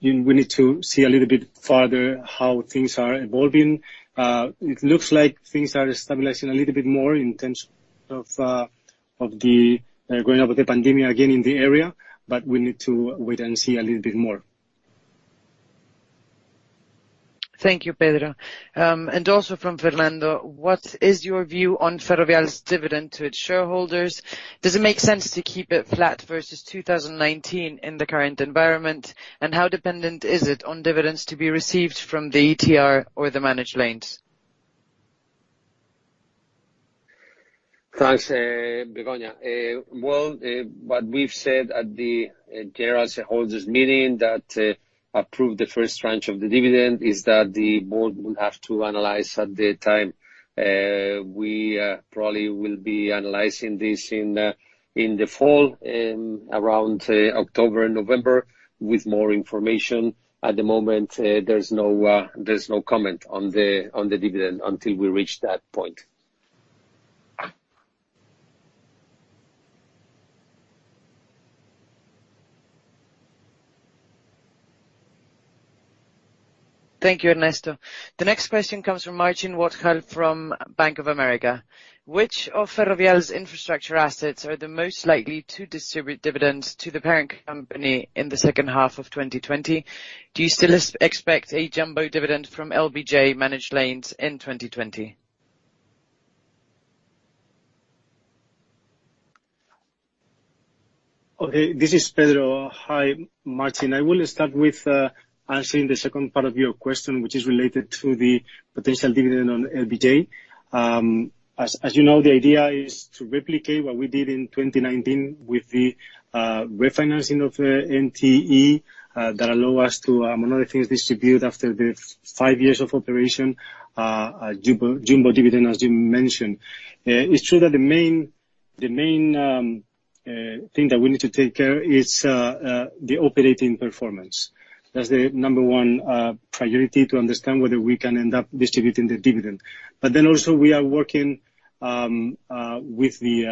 We need to see a little bit further how things are evolving. It looks like things are stabilizing a little bit more in terms of going over the pandemic again in the area, but we need to wait and see a little bit more. Thank you, Pedro. Also from Fernando, what is your view on Ferrovial's dividend to its shareholders? Does it make sense to keep it flat versus 2019 in the current environment? How dependent is it on dividends to be received from the ETR or the managed lanes? Thanks, Begoña. Well, what we've said at the general shareholders meeting that approved the first tranche of the dividend is that the board will have to analyze at the time. We probably will be analyzing this in the fall, around October, November, with more information. At the moment, there's no comment on the dividend until we reach that point. Thank you, Ernesto. The next question comes from Marcin Wojtal from Bank of America. Which of Ferrovial's infrastructure assets are the most likely to distribute dividends to the parent company in the second half of 2020? Do you still expect a jumbo dividend from LBJ Managed Lanes in 2020? Okay. This is Pedro. Hi, Marcin. I will start with answering the second part of your question, which is related to the potential dividend on LBJ. As you know, the idea is to replicate what we did in 2019 with the refinancing of NTE, that allow us to, among other things, distribute after the five years of operation, a jumbo dividend, as you mentioned. It's true that the main thing that we need to take care is the operating performance. That's the number one priority to understand whether we can end up distributing the dividend. We are working with the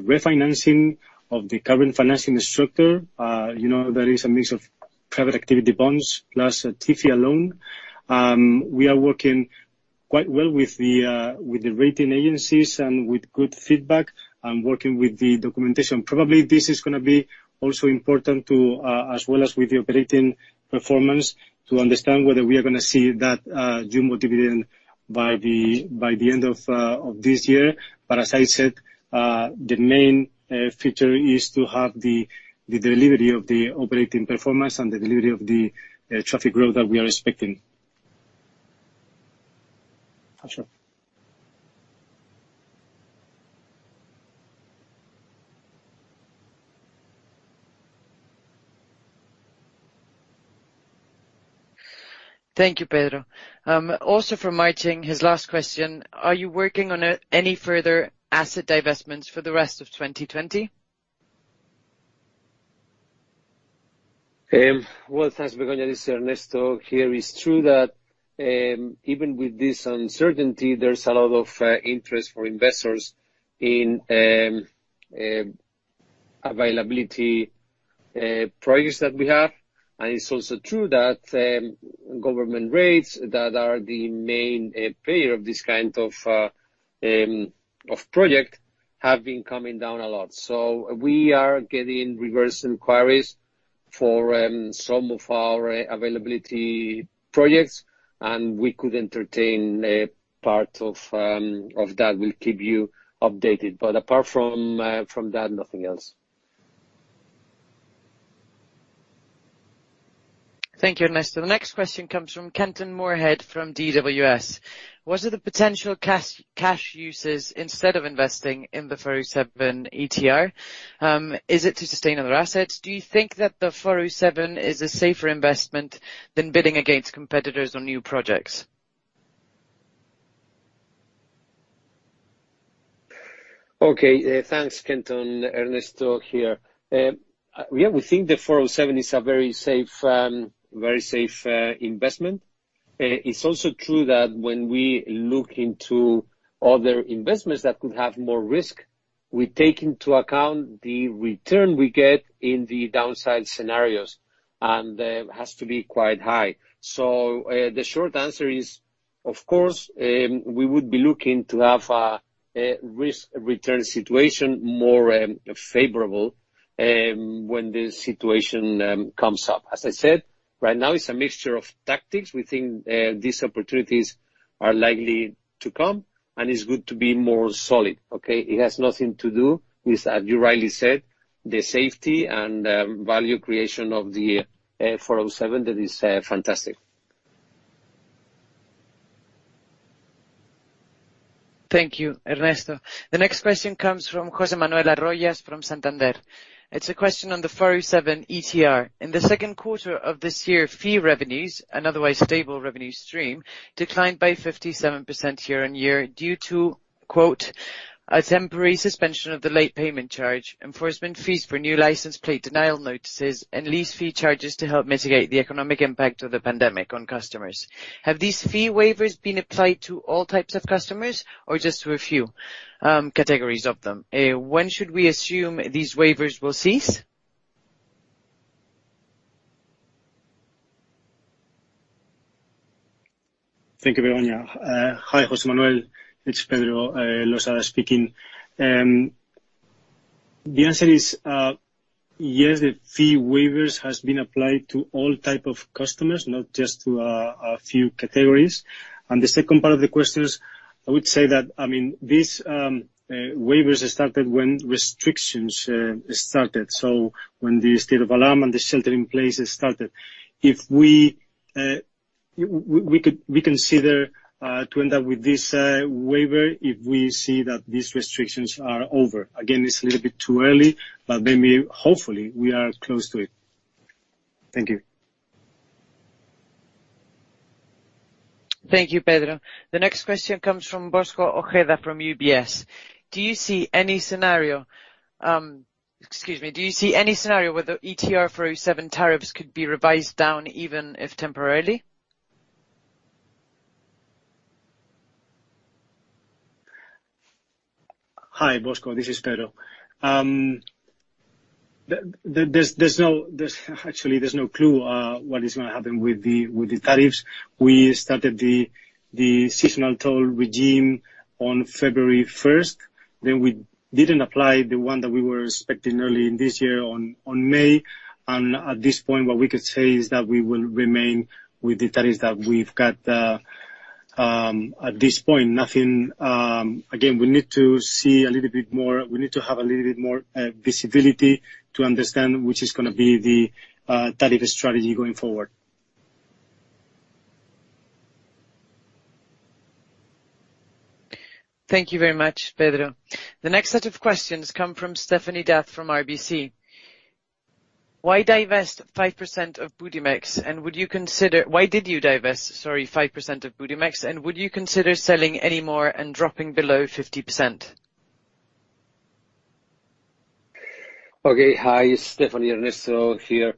refinancing of the current financing structure. There is a mix of private activity bonds plus a TIFIA loan. We are working quite well with the rating agencies and with good feedback and working with the documentation. Probably this is going to be also important, as well as with the operating performance, to understand whether we are going to see that jumbo dividend by the end of this year. As I said, the main feature is to have the delivery of the operating performance and the delivery of the traffic growth that we are expecting. Thank you, Pedro. Also from Marcin, his last question, are you working on any further asset divestments for the rest of 2020? Well, thanks, Begoña. This is Ernesto here. It's true that even with this uncertainty, there's a lot of interest for investors in availability projects that we have. It's also true that government rates that are the main payer of this kind of project have been coming down a lot. We are getting reverse inquiries for some of our availability projects, and we could entertain part of that. We'll keep you updated. Apart from that, nothing else. Thank you, Ernesto. The next question comes from Kenton Moorhead from DWS. What are the potential cash uses instead of investing in the 407 ETR? Is it to sustain other assets? Do you think that the 407 is a safer investment than bidding against competitors on new projects? Okay. Thanks, Kenton. Ernesto here. Yeah, we think the 407 is a very safe investment. It's also true that when we look into other investments that could have more risk, we take into account the return we get in the downside scenarios, and it has to be quite high. The short answer is, of course, we would be looking to have a risk-return situation more favorable when the situation comes up. As I said, right now it's a mixture of tactics. We think these opportunities are likely to come, and it's good to be more solid. Okay? It has nothing to do with, as you rightly said, the safety and value creation of the 407. That is fantastic. Thank you, Ernesto. The next question comes from Jose Manuel Arroyo from Santander. It's a question on the 407 ETR. In the second quarter of this year, fee revenues, an otherwise stable revenue stream, declined by 57% year-on-year due to, quote, "A temporary suspension of the late payment charge, enforcement fees for new license plate denial notices, and lease fee charges to help mitigate the economic impact of the pandemic on customers." Have these fee waivers been applied to all types of customers or just to a few categories of them? When should we assume these waivers will cease? Thank you, Begoña. Hi, Jose Manuel, it's Pedro Losada speaking. The answer is yes, the fee waivers has been applied to all type of customers, not just to a few categories. The second part of the question, I would say that these waivers started when restrictions started. When the state of alarm and the shelter in place started. We consider to end up with this waiver if we see that these restrictions are over. Again, it's a little bit too early, but hopefully, we are close to it. Thank you. Thank you, Pedro. The next question comes from Bosco Ojeda from UBS. Do you see any scenario where the ETR 407 tariffs could be revised down, even if temporarily? Hi, Bosco, this is Pedro. Actually, there's no clue what is going to happen with the tariffs. We started the seasonal toll regime on February 1st. We didn't apply the one that we were expecting early in this year on May. At this point, what we could say is that we will remain with the tariffs that we've got. At this point, again, we need to have a little bit more visibility to understand which is going to be the tariff strategy going forward. Thank you very much, Pedro. The next set of questions come from Stephanie D'Ath from RBC. Why divest 5% of Budimex? Why did you divest, sorry, 5% of Budimex? Would you consider selling any more and dropping below 50%? Okay. Hi, Stephanie, Ernesto here.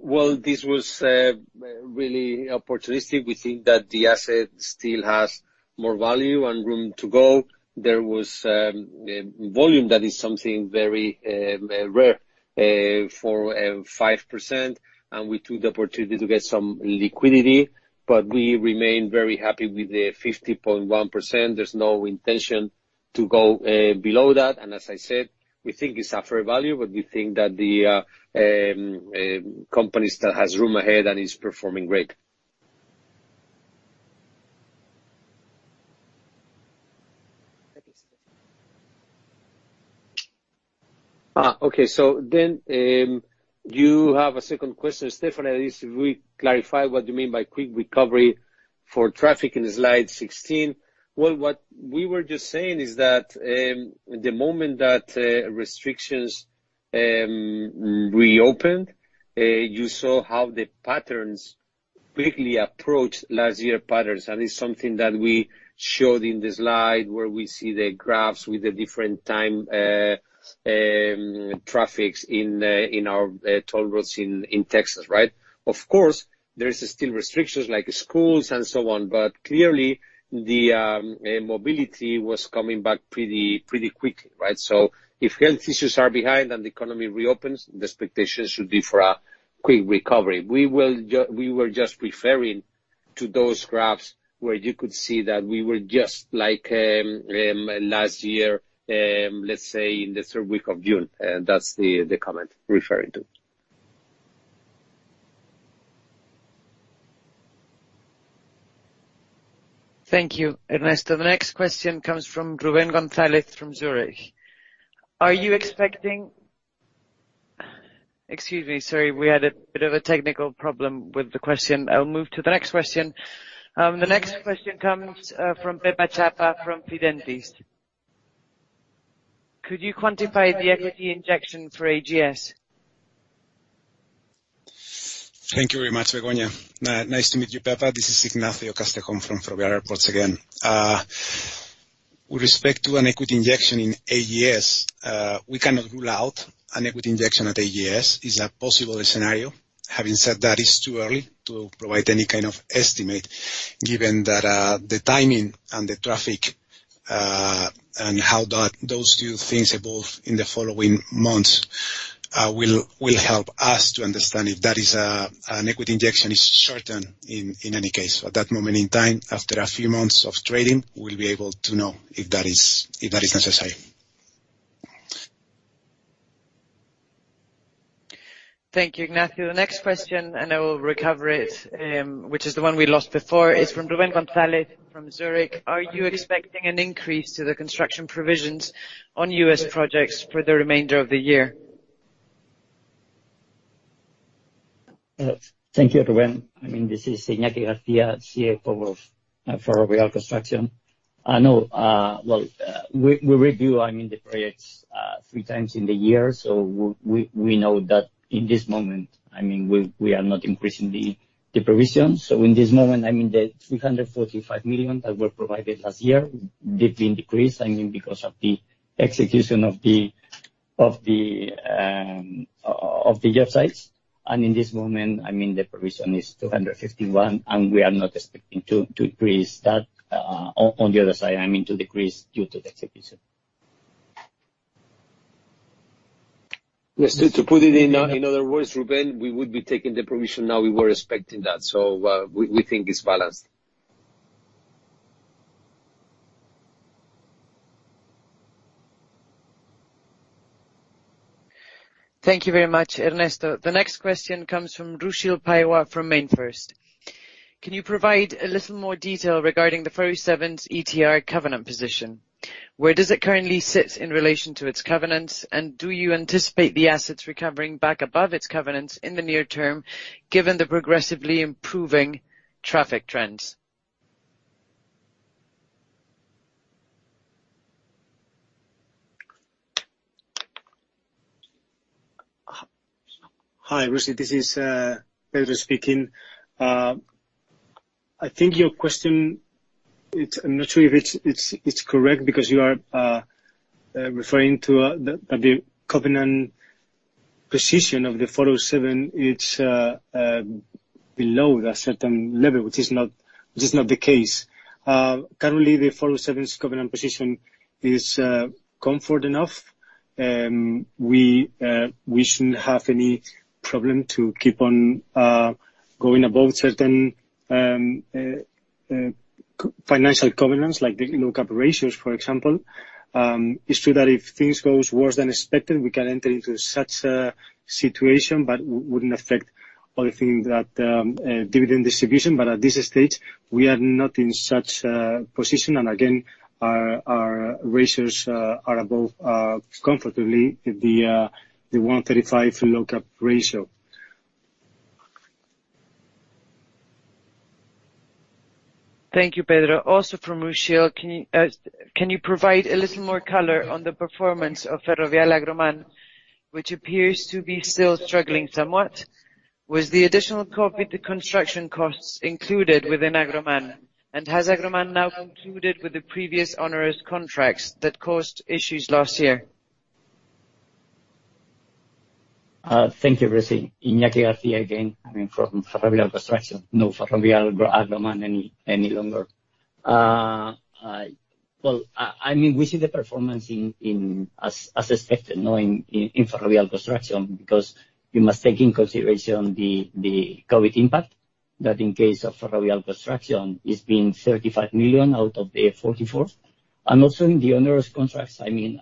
Well, this was really opportunistic. We think that the asset still has more value and room to go. There was volume, that is something very rare for 5%, and we took the opportunity to get some liquidity, but we remain very happy with the 50.1%. There's no intention to go below that. As I said, we think it's a fair value, but we think that the company still has room ahead and is performing great. Okay. You have a second question, Stephanie. Please re-clarify what you mean by quick recovery for traffic in slide 16. Well, what we were just saying is that the moment that restrictions reopened, you saw how the patterns quickly approached last year patterns. That is something that we showed in the slide, where we see the graphs with the different time traffics in our toll roads in Texas. Right? Of course, there is still restrictions like schools and so on, but clearly, the mobility was coming back pretty quickly. Right? If health issues are behind and the economy reopens, the expectation should be for a quick recovery. We were just referring to those graphs where you could see that we were just like last year, let's say in the third week of June. That's the comment referring to. Thank you, Ernesto. The next question comes from Ruben Gonzalez from Zurich. Excuse me, sorry, we had a bit of a technical problem with the question. I'll move to the next question. The next question comes from Pepa Chapa from Fidentiis. Could you quantify the equity injection for AGS? Thank you very much, Begoña. Nice to meet you, Pepa. This is Ignacio Castejón from Ferrovial, once again. With respect to an equity injection in AGS, we cannot rule out an equity injection at AGS. It's a possible scenario. Having said that, it's too early to provide any kind of estimate given that the timing and the traffic, and how those two things evolve in the following months, will help us to understand if an equity injection is certain in any case. At that moment in time, after a few months of trading, we'll be able to know if that is necessary. Thank you, Ignacio. The next question, I will recover it, which is the one we lost before, is from Ruben Gonzalez from Zurich. Are you expecting an increase to the construction provisions on U.S. projects for the remainder of the year? Thank you, Ruben. This is Iñaki Garcia, CFO for Ferrovial Construction. We review the projects three times in the year. We know that in this moment, we are not increasing the provisions. In this moment, the 345 million that were provided last year, they've been decreased because of the execution of the job sites. In this moment, the provision is 251, and we are not expecting to increase that. On the other side, to decrease due to the execution. Yes. To put it in other words, Ruben, we would be taking the provision now we were expecting that. We think it's balanced. Thank you very much, Ernesto. The next question comes from Rushil Patel from MainFirst. Can you provide a little more detail regarding the 407 ETR covenant position? Where does it currently sit in relation to its covenants, and do you anticipate the assets recovering back above its covenants in the near term given the progressively improving traffic trends? Hi, Rushil. This is Pedro speaking. I think your question, I'm not sure if it's correct because you are referring to the covenant position of the 407, it's below a certain level, which is not the case. Currently, the 407's covenant position is comfort enough. We shouldn't have any problem to keep on going above certain financial covenants, like the lock-up ratios, for example. It's true that if things go worse than expected, we can enter into such a situation, it wouldn't affect other things like dividend distribution. At this stage, we are not in such a position. Again, our ratios are above, comfortably, the 1.35 lock-up ratio. Thank you, Pedro. Also from Rushil. Can you provide a little more color on the performance of Ferrovial Agroman, which appears to be still struggling somewhat? Was the additional COVID construction costs included within Agroman, and has Agroman now concluded with the previous onerous contracts that caused issues last year? Thank you, Rushil. Iñaki Garcia again from Ferrovial Construction. Not Ferrovial Agroman any longer. We see the performance as expected now in Ferrovial Construction, because you must take into consideration the COVID impact, that in case of Ferrovial Construction, it's been 35 million out of the 44. Also in the onerous contracts, in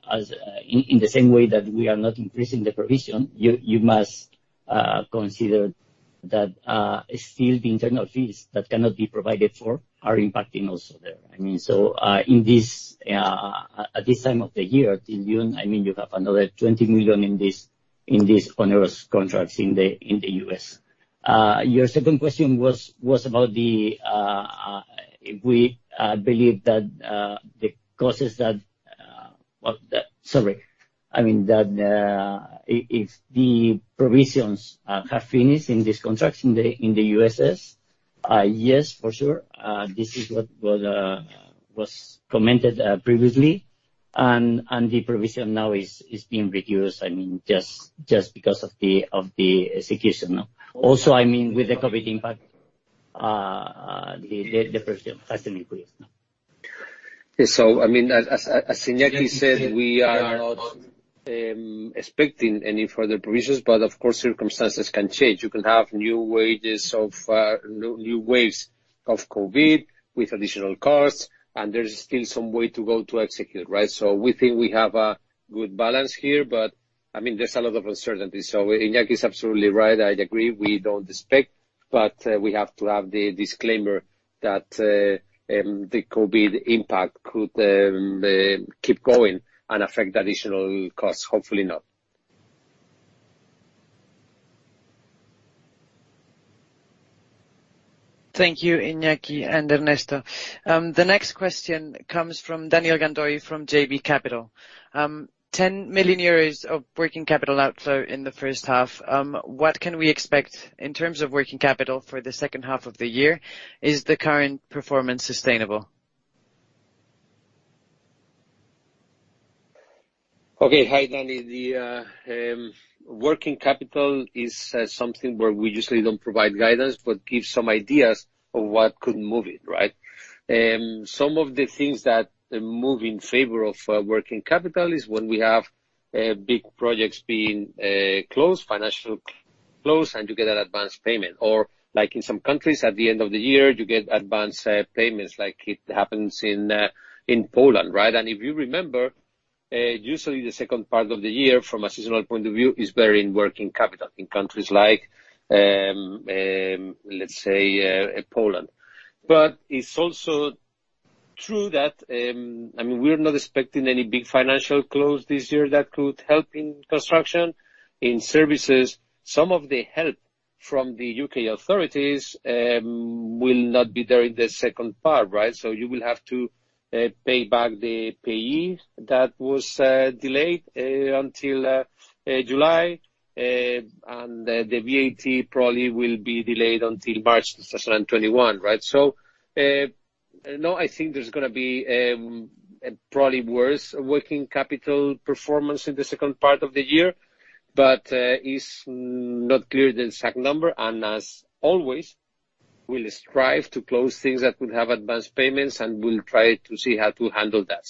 the same way that we are not increasing the provision, you must consider that still the internal fees that cannot be provided for are impacting also there. At this time of the year, till June, you have another 20 million in these onerous contracts in the U.S. Your second question was about if the provisions have finished in this construction in the U.S. Yes, for sure. This is what was commented previously, and the provision now is being reduced, just because of the execution. Also with the COVID impact, the provision has been reduced. As Iñaki said, we are not expecting any further provisions, but of course, circumstances can change. You can have new waves of COVID with additional costs, and there's still some way to go to execute. We think we have a good balance here, but there's a lot of uncertainty. Iñaki is absolutely right. I agree, we don't expect, but we have to have the disclaimer that the COVID impact could keep going and affect additional costs. Hopefully not. Thank you, Iñaki and Ernesto. The next question comes from Daniel Gandoy from JB Capital. 10 million euros of working capital outflow in the first half. What can we expect in terms of working capital for the second half of the year? Is the current performance sustainable? Okay. Hi, Danny. The working capital is something where we usually don't provide guidance, but give some ideas of what could move it, right? Some of the things that move in favor of working capital is when we have big projects being closed, financial close, and you get an advance payment. Like in some countries at the end of the year, you get advance payments, like it happens in Poland, right? If you remember, usually the second part of the year from a seasonal point of view is better in working capital in countries like, let's say, Poland. It's also true that we're not expecting any big financial close this year that could help in construction. In services, some of the help from the U.K. authorities will not be there in the second part, right? You will have to pay back the PAYE that was delayed until July, and the VAT probably will be delayed until March 2021, right? No, I think there's going to be probably worse working capital performance in the second part of the year, but it's not clear the exact number. As always, we'll strive to close things that will have advanced payments, and we'll try to see how to handle that.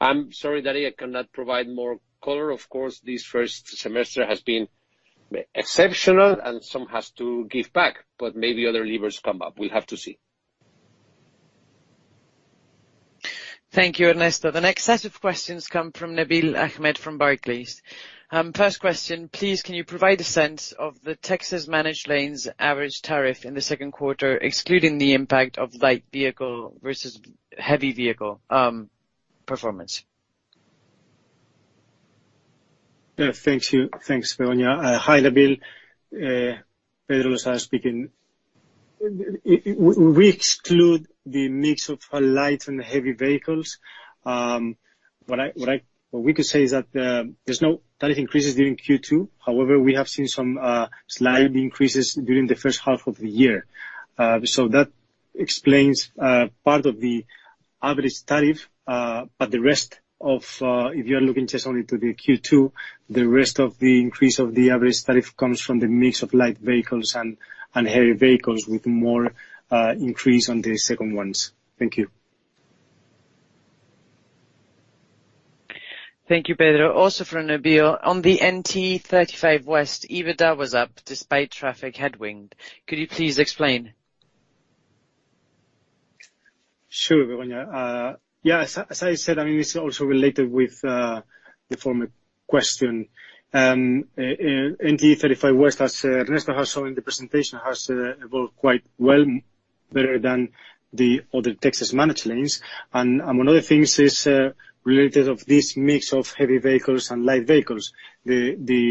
I'm sorry, Danny, I cannot provide more color. Of course, this first semester has been exceptional, and some has to give back, but maybe other levers come up. We'll have to see. Thank you, Ernesto. The next set of questions come from Nabil Ahmed from Barclays. First question, please, can you provide a sense of the Texas managed lanes average tariff in the second quarter, excluding the impact of light vehicle versus heavy vehicle performance? Thank you. Thanks, Begoña. Hi, Nabil. Pedro Losada speaking. We exclude the mix of light and heavy vehicles. What we could say is that there's no tariff increases during Q2. We have seen some slight increases during the first half of the year. That explains part of the average tariff. If you are looking just only to the Q2, the rest of the increase of the average tariff comes from the mix of light vehicles and heavy vehicles with more increase on the second ones. Thank you. Thank you, Pedro. Also from Nabil, on the NTE 35W, EBITDA was up despite traffic headwind. Could you please explain? Sure, Begoña. Yeah, as I said, it is also related with the former question. NTE 35W, as Ernesto has shown in the presentation, has evolved quite well, better than the other Texas managed lanes, and among other things is related of this mix of heavy vehicles and light vehicles. The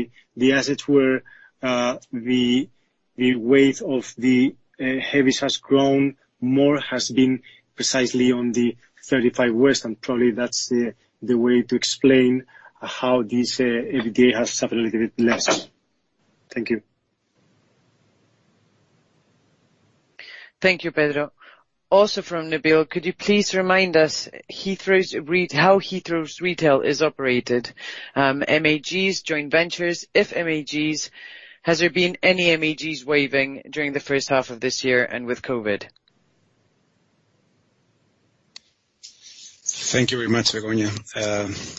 assets were the weight of the heaviest has grown more, has been precisely on the 35 West, and probably that is the way to explain how this EBITDA has suffered a little bit less. Thank you. Thank you, Pedro. Also from Nabil, could you please remind us how Heathrow Retail is operated? MAGs, joint ventures? If MAGs, has there been any MAGs waiving during the first half of this year and with COVID? Thank you very much, Begoña.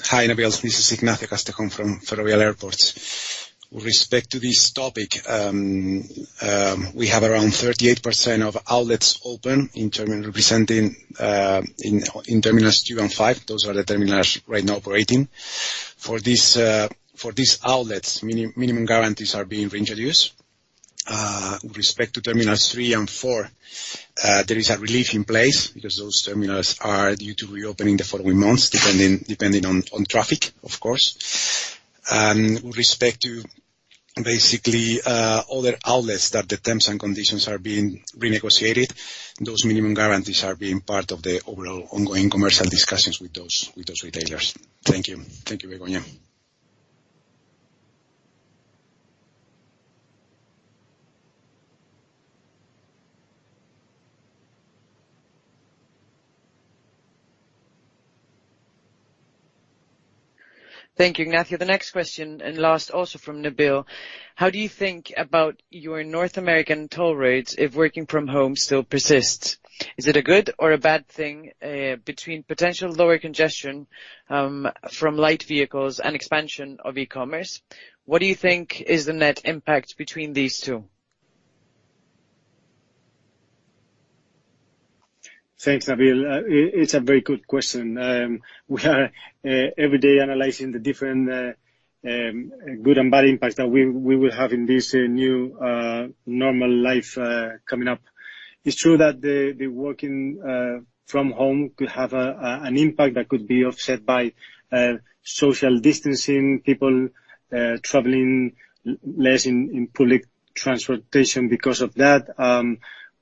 Hi, Nabil. This is Ignacio Castejón from Ferrovial Airports. With respect to this topic, we have around 38% of outlets open representing in terminals two and five. Those are the terminals right now operating. For these outlets, minimum guarantees are being reintroduced. With respect to terminals three and four, there is a relief in place because those terminals are due to reopen in the following months, depending on traffic, of course. With respect to basically other outlets that the terms and conditions are being renegotiated, those minimum guarantees are being part of the overall ongoing commercial discussions with those retailers. Thank you. Thank you, Begoña. Thank you, Ignacio. The next question, and last also from Nabil, how do you think about your North American toll rates if working from home still persists? Is it a good or a bad thing between potential lower congestion from light vehicles and expansion of e-commerce? What do you think is the net impact between these two? Thanks, Nabil. It's a very good question. We are every day analyzing the different good and bad impacts that we will have in this new normal life coming up. It's true that the working from home could have an impact that could be offset by social distancing, people traveling less in public transportation because of that.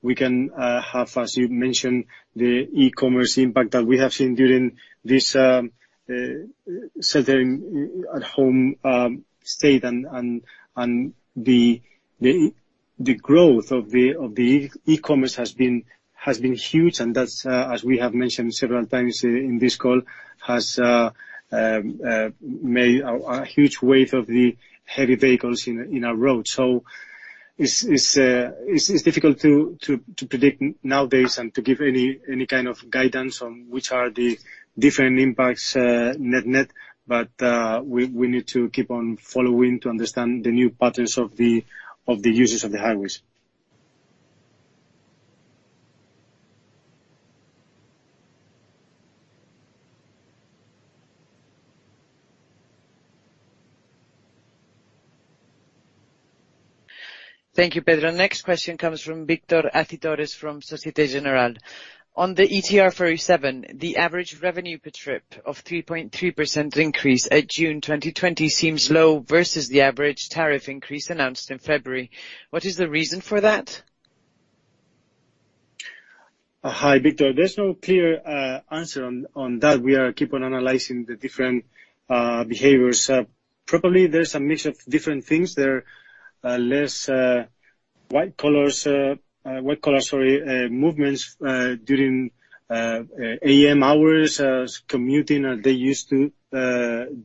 We can have, as you mentioned, the e-commerce impact that we have seen during this settling at home state. The growth of the e-commerce has been huge. That, as we have mentioned several times in this call, has made a huge wave of the heavy vehicles in our roads. It's difficult to predict nowadays and to give any kind of guidance on which are the different impacts net, but we need to keep on following to understand the new patterns of the users of the highways. Thank you, Pedro. Next question comes from Victor Acitores from Societe Generale. On the 407 ETR, the average revenue per trip of 3.3% increase at June 2020 seems low versus the average tariff increase announced in February. What is the reason for that? Hi, Victor. There's no clear answer on that. We keep on analyzing the different behaviors. Probably there's a mix of different things. There are less white-collar movements during AM hours, commuting as they used to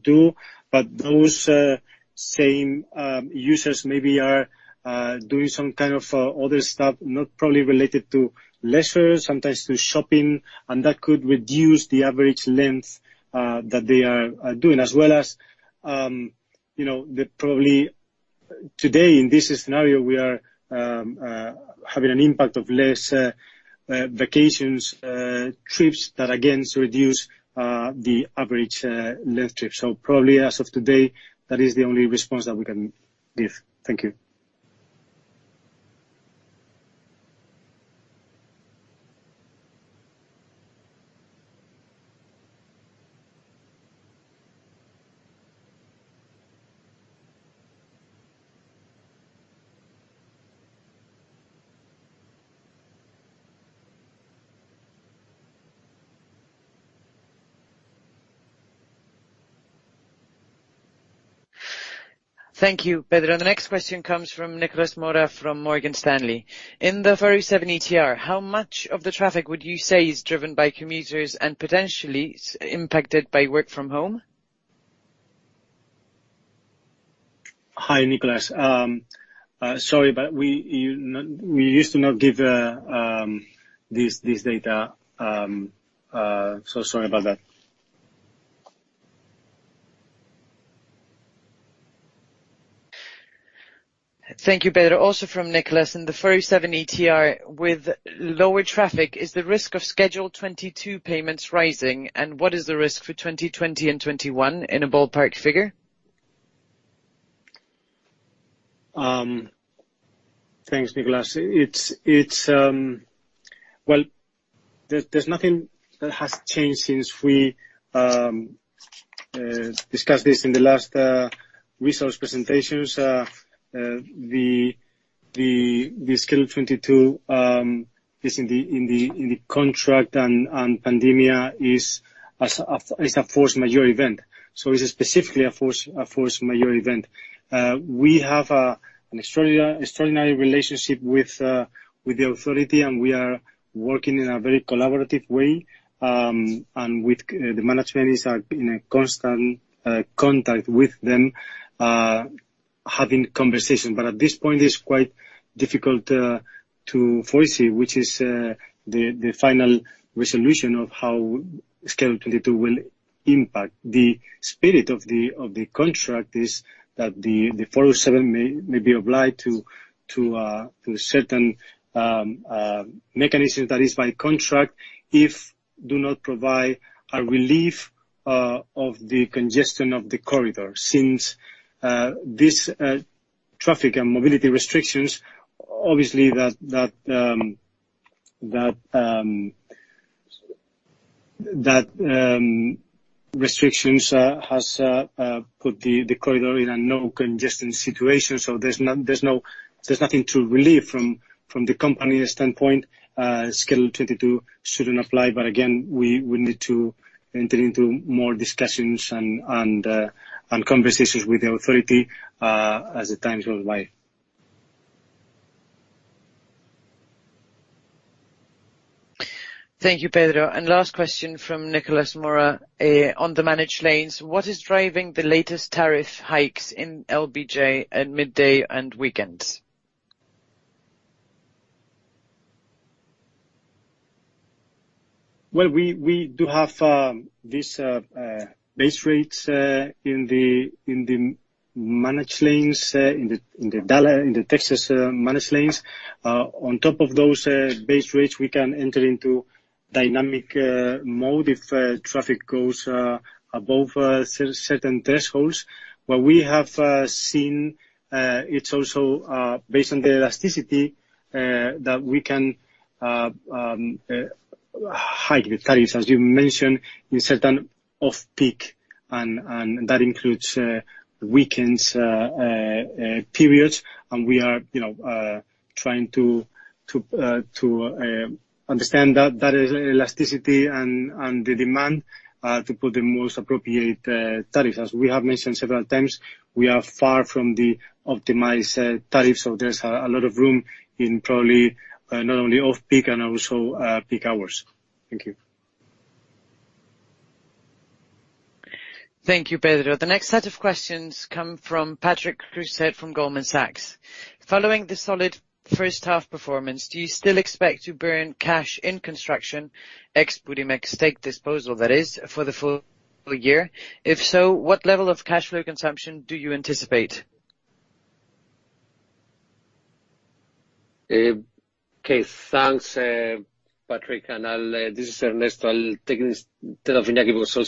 do. Those same users maybe are doing some other stuff, not probably related to leisure, sometimes to shopping, and that could reduce the average length that they are doing. As well as, probably today in this scenario, we are having an impact of less vacations trips that, again, reduce the average length trip. Probably as of today, that is the only response that we can give. Thank you. Thank you, Pedro. The next question comes from Nicolas Mora from Morgan Stanley. In the 407 ETR, how much of the traffic would you say is driven by commuters and potentially impacted by work from home? Hi, Nicolas. Sorry, we used to not give this data. Sorry about that. Thank you, Pedro. From Nicolas. In the 407 ETR with lower traffic, is the risk of Schedule 22 payments rising? What is the risk for 2020 and 2021 in a ballpark figure? Thanks, Nicolas. There's nothing that has changed since we discussed this in the last results presentations. The Schedule 22 is in the contract. Pandemia is a force majeure event. It's specifically a force majeure event. We have an extraordinary relationship with the authority. We are working in a very collaborative way. The management is in a constant contact with them, having conversation. At this point, it's quite difficult to foresee which is the final resolution of how Schedule 22 will impact. The spirit of the contract is that the 407 may be obliged to certain mechanism that is by contract if do not provide a relief of the congestion of the corridor. Since this traffic and mobility restrictions, obviously that restrictions has put the corridor in a no congestion situation. There's nothing to relieve from the company standpoint. Schedule 22 shouldn't apply, but again, we need to enter into more discussions and conversations with the authority as the time goes by. Thank you, Pedro. Last question from Nicolas Mora. On the managed lanes, what is driving the latest tariff hikes in LBJ at midday and weekends? Well, we do have these base rates in the managed lanes, in the Texas managed lanes. On top of those base rates, we can enter into dynamic mode if traffic goes above certain thresholds. What we have seen, it's also based on the elasticity that high tariffs, as you mentioned, in certain off-peak, and that includes weekends periods, and we are trying to understand that elasticity and the demand to put the most appropriate tariffs. As we have mentioned several times, we are far from the optimized tariff. There's a lot of room in probably not only off-peak and also peak hours. Thank you. Thank you, Pedro. The next set of questions come from Patrick Creuset from Goldman Sachs. Following the solid first half performance, do you still expect to burn cash in construction, ex-Budimex stake disposal that is, for the full year? If so, what level of cash flow consumption do you anticipate? Thanks, Patrick. This is Ernesto. I'll take this. Iñaki will also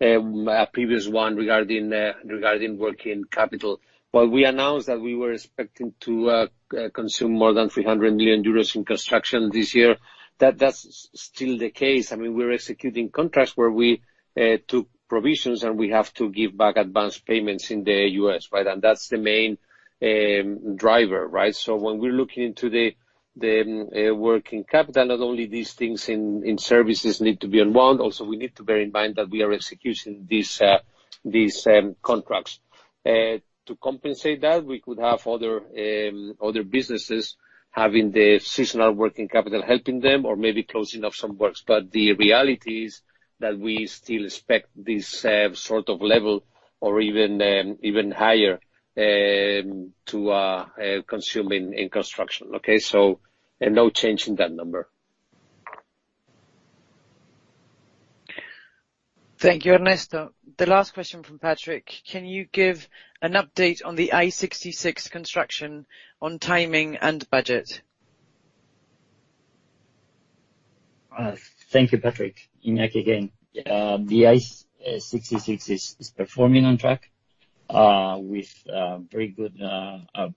complement my previous one regarding working capital. While we announced that we were expecting to consume more than 300 million euros in construction this year, that's still the case. We're executing contracts where we took provisions, and we have to give back advanced payments in the U.S., that's the main driver, right? When we're looking into the working capital, not only these things in services need to be unwound, we need to bear in mind that we are executing these contracts. To compensate that, we could have other businesses having the seasonal working capital helping them or maybe closing off some works. The reality is that we still expect this sort of level or even higher to consume in construction. No change in that number. Thank you, Ernesto. The last question from Patrick. Can you give an update on the I-66 construction on timing and budget? Thank you, Patrick. Iñaki again. The I-66 is performing on track, with very good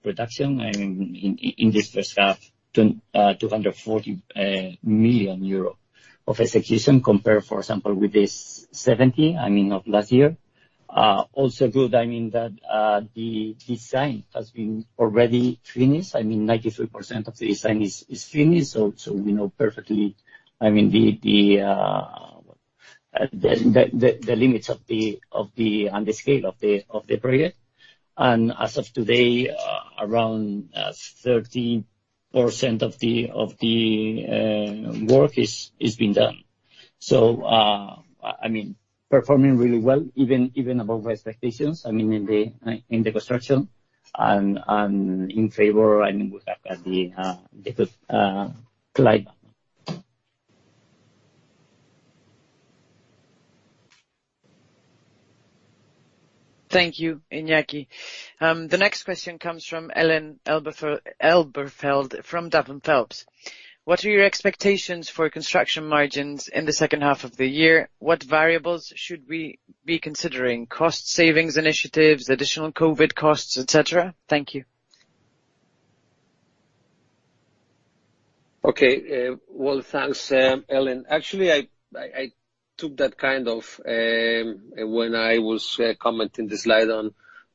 production. In this first half, 240 million euro of execution compared, for example, with this 70 million, I mean, of last year. Also good, that the design has been already finished. 93% of the design is finished, so we know perfectly the limits of the end scale of the project. As of today, around 30% of the work is being done. Performing really well, even above expectations in the construction and in favor, we have had the decline. Thank you, Iñaki. The next question comes from Ellen Elberfeld from Duff & Phelps. What are your expectations for construction margins in the second half of the year? What variables should we be considering? Cost savings initiatives, additional COVID costs, et cetera? Thank you. Okay. Well, thanks, Ellen. Actually, I took that when I was commenting the slide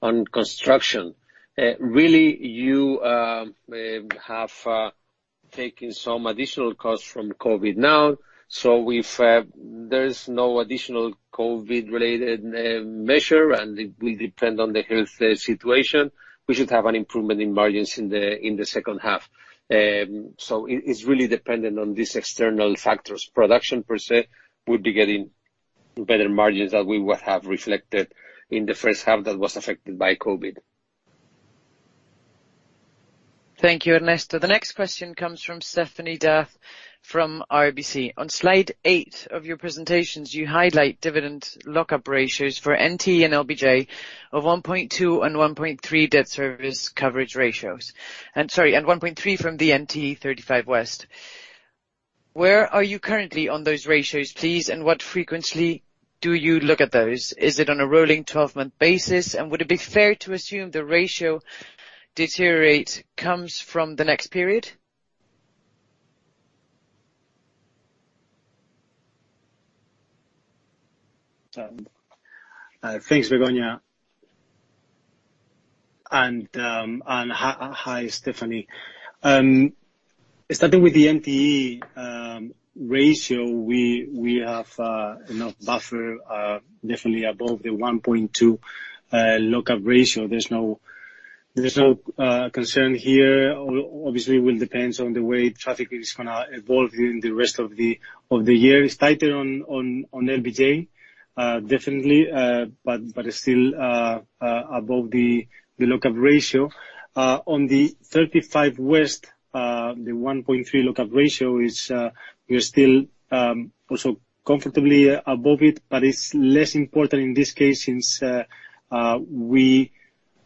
on construction. You have taken some additional costs from COVID now, if there's no additional COVID-related measure, and it will depend on the health situation, we should have an improvement in margins in the second half. It's really dependent on these external factors. Construction per se would be getting better margins that we would have reflected in the first half that was affected by COVID. Thank you, Ernesto. The next question comes from Stéphanie D'Ath from RBC. On slide eight of your presentations, you highlight dividend lock-up ratios for NTE and LBJ of 1.2 and 1.3 debt service coverage ratios. Sorry, 1.3 from the NTE 35W. Where are you currently on those ratios, please, and what frequency do you look at those? Is it on a rolling 12-month basis? Would it be fair to assume the ratio deteriorate comes from the next period? Thanks, Begoña, and hi, Stephanie. Starting with the NTE ratio, we have enough buffer definitely above the 1.2 lock-up ratio. There's no concern here. Obviously, it will depend on the way traffic is going to evolve during the rest of the year. It's tighter on LBJ, definitely, but it's still above the lock-up ratio. On the 35 West, the 1.3 lock-up ratio, we're still also comfortably above it, but it's less important in this case since we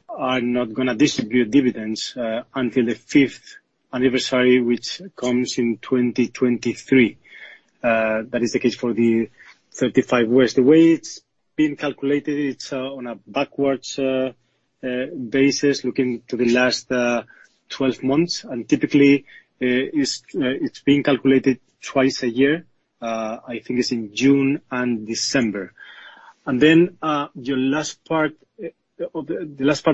are not going to distribute dividends until the fifth anniversary, which comes in 2023. That is the case for the 35 West. The way it's being calculated, it's on a backwards-basis looking to the last 12 months. Typically, it's being calculated twice a year. I think it's in June and December. The last part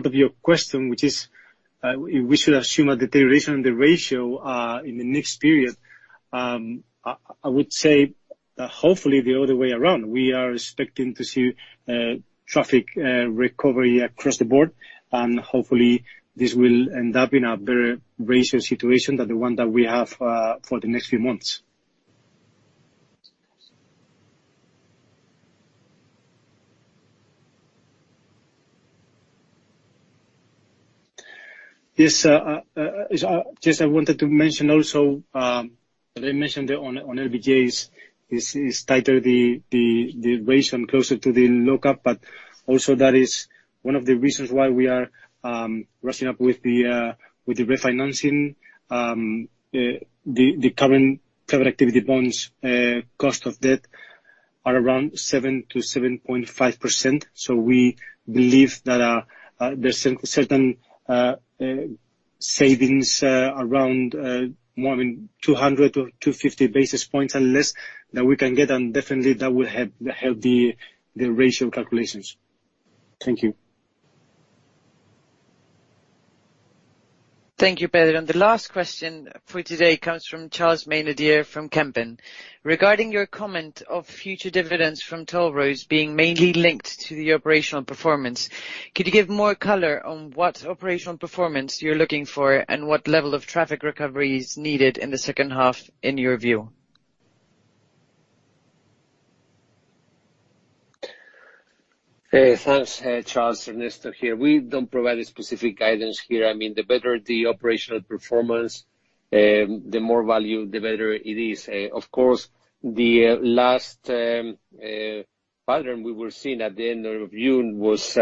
of your question, which is we should assume a deterioration in the ratio in the next period. I would say hopefully the other way around. We are expecting to see traffic recovery across the board, hopefully this will end up in a better ratio situation than the one that we have for the next few months. Just I wanted to mention also, that I mentioned on LBJ Express is tighter the ratio closer to the lockup, also that is one of the reasons why we are rushing up with the refinancing. The current private activity bonds cost of debt are around 7%-7.5%. We believe that there's certain savings around more than 200-250 basis points and less that we can get, definitely that will help the ratio calculations. Thank you. Thank you, Pedro. The last question for today comes from Charles Maynadier from Kempen. Regarding your comment of future dividends from toll roads being mainly linked to the operational performance, could you give more color on what operational performance you're looking for and what level of traffic recovery is needed in the second half in your view? Thanks, Charles. Ernesto here. We don't provide a specific guidance here. The better the operational performance, the more value, the better it is. Of course, the last pattern we were seeing at the end of June was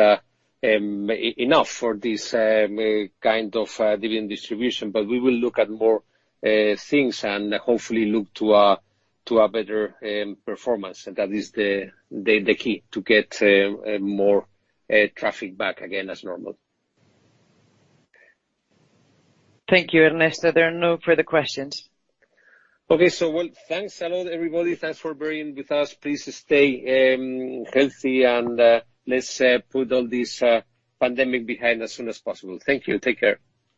enough for this kind of dividend distribution. We will look at more things and hopefully look to a better performance. That is the key to get more traffic back again as normal. Thank you, Ernesto. There are no further questions. Okay. Well, thanks a lot, everybody. Thanks for bearing with us. Please stay healthy and let's put all this pandemic behind as soon as possible. Thank you. Take care.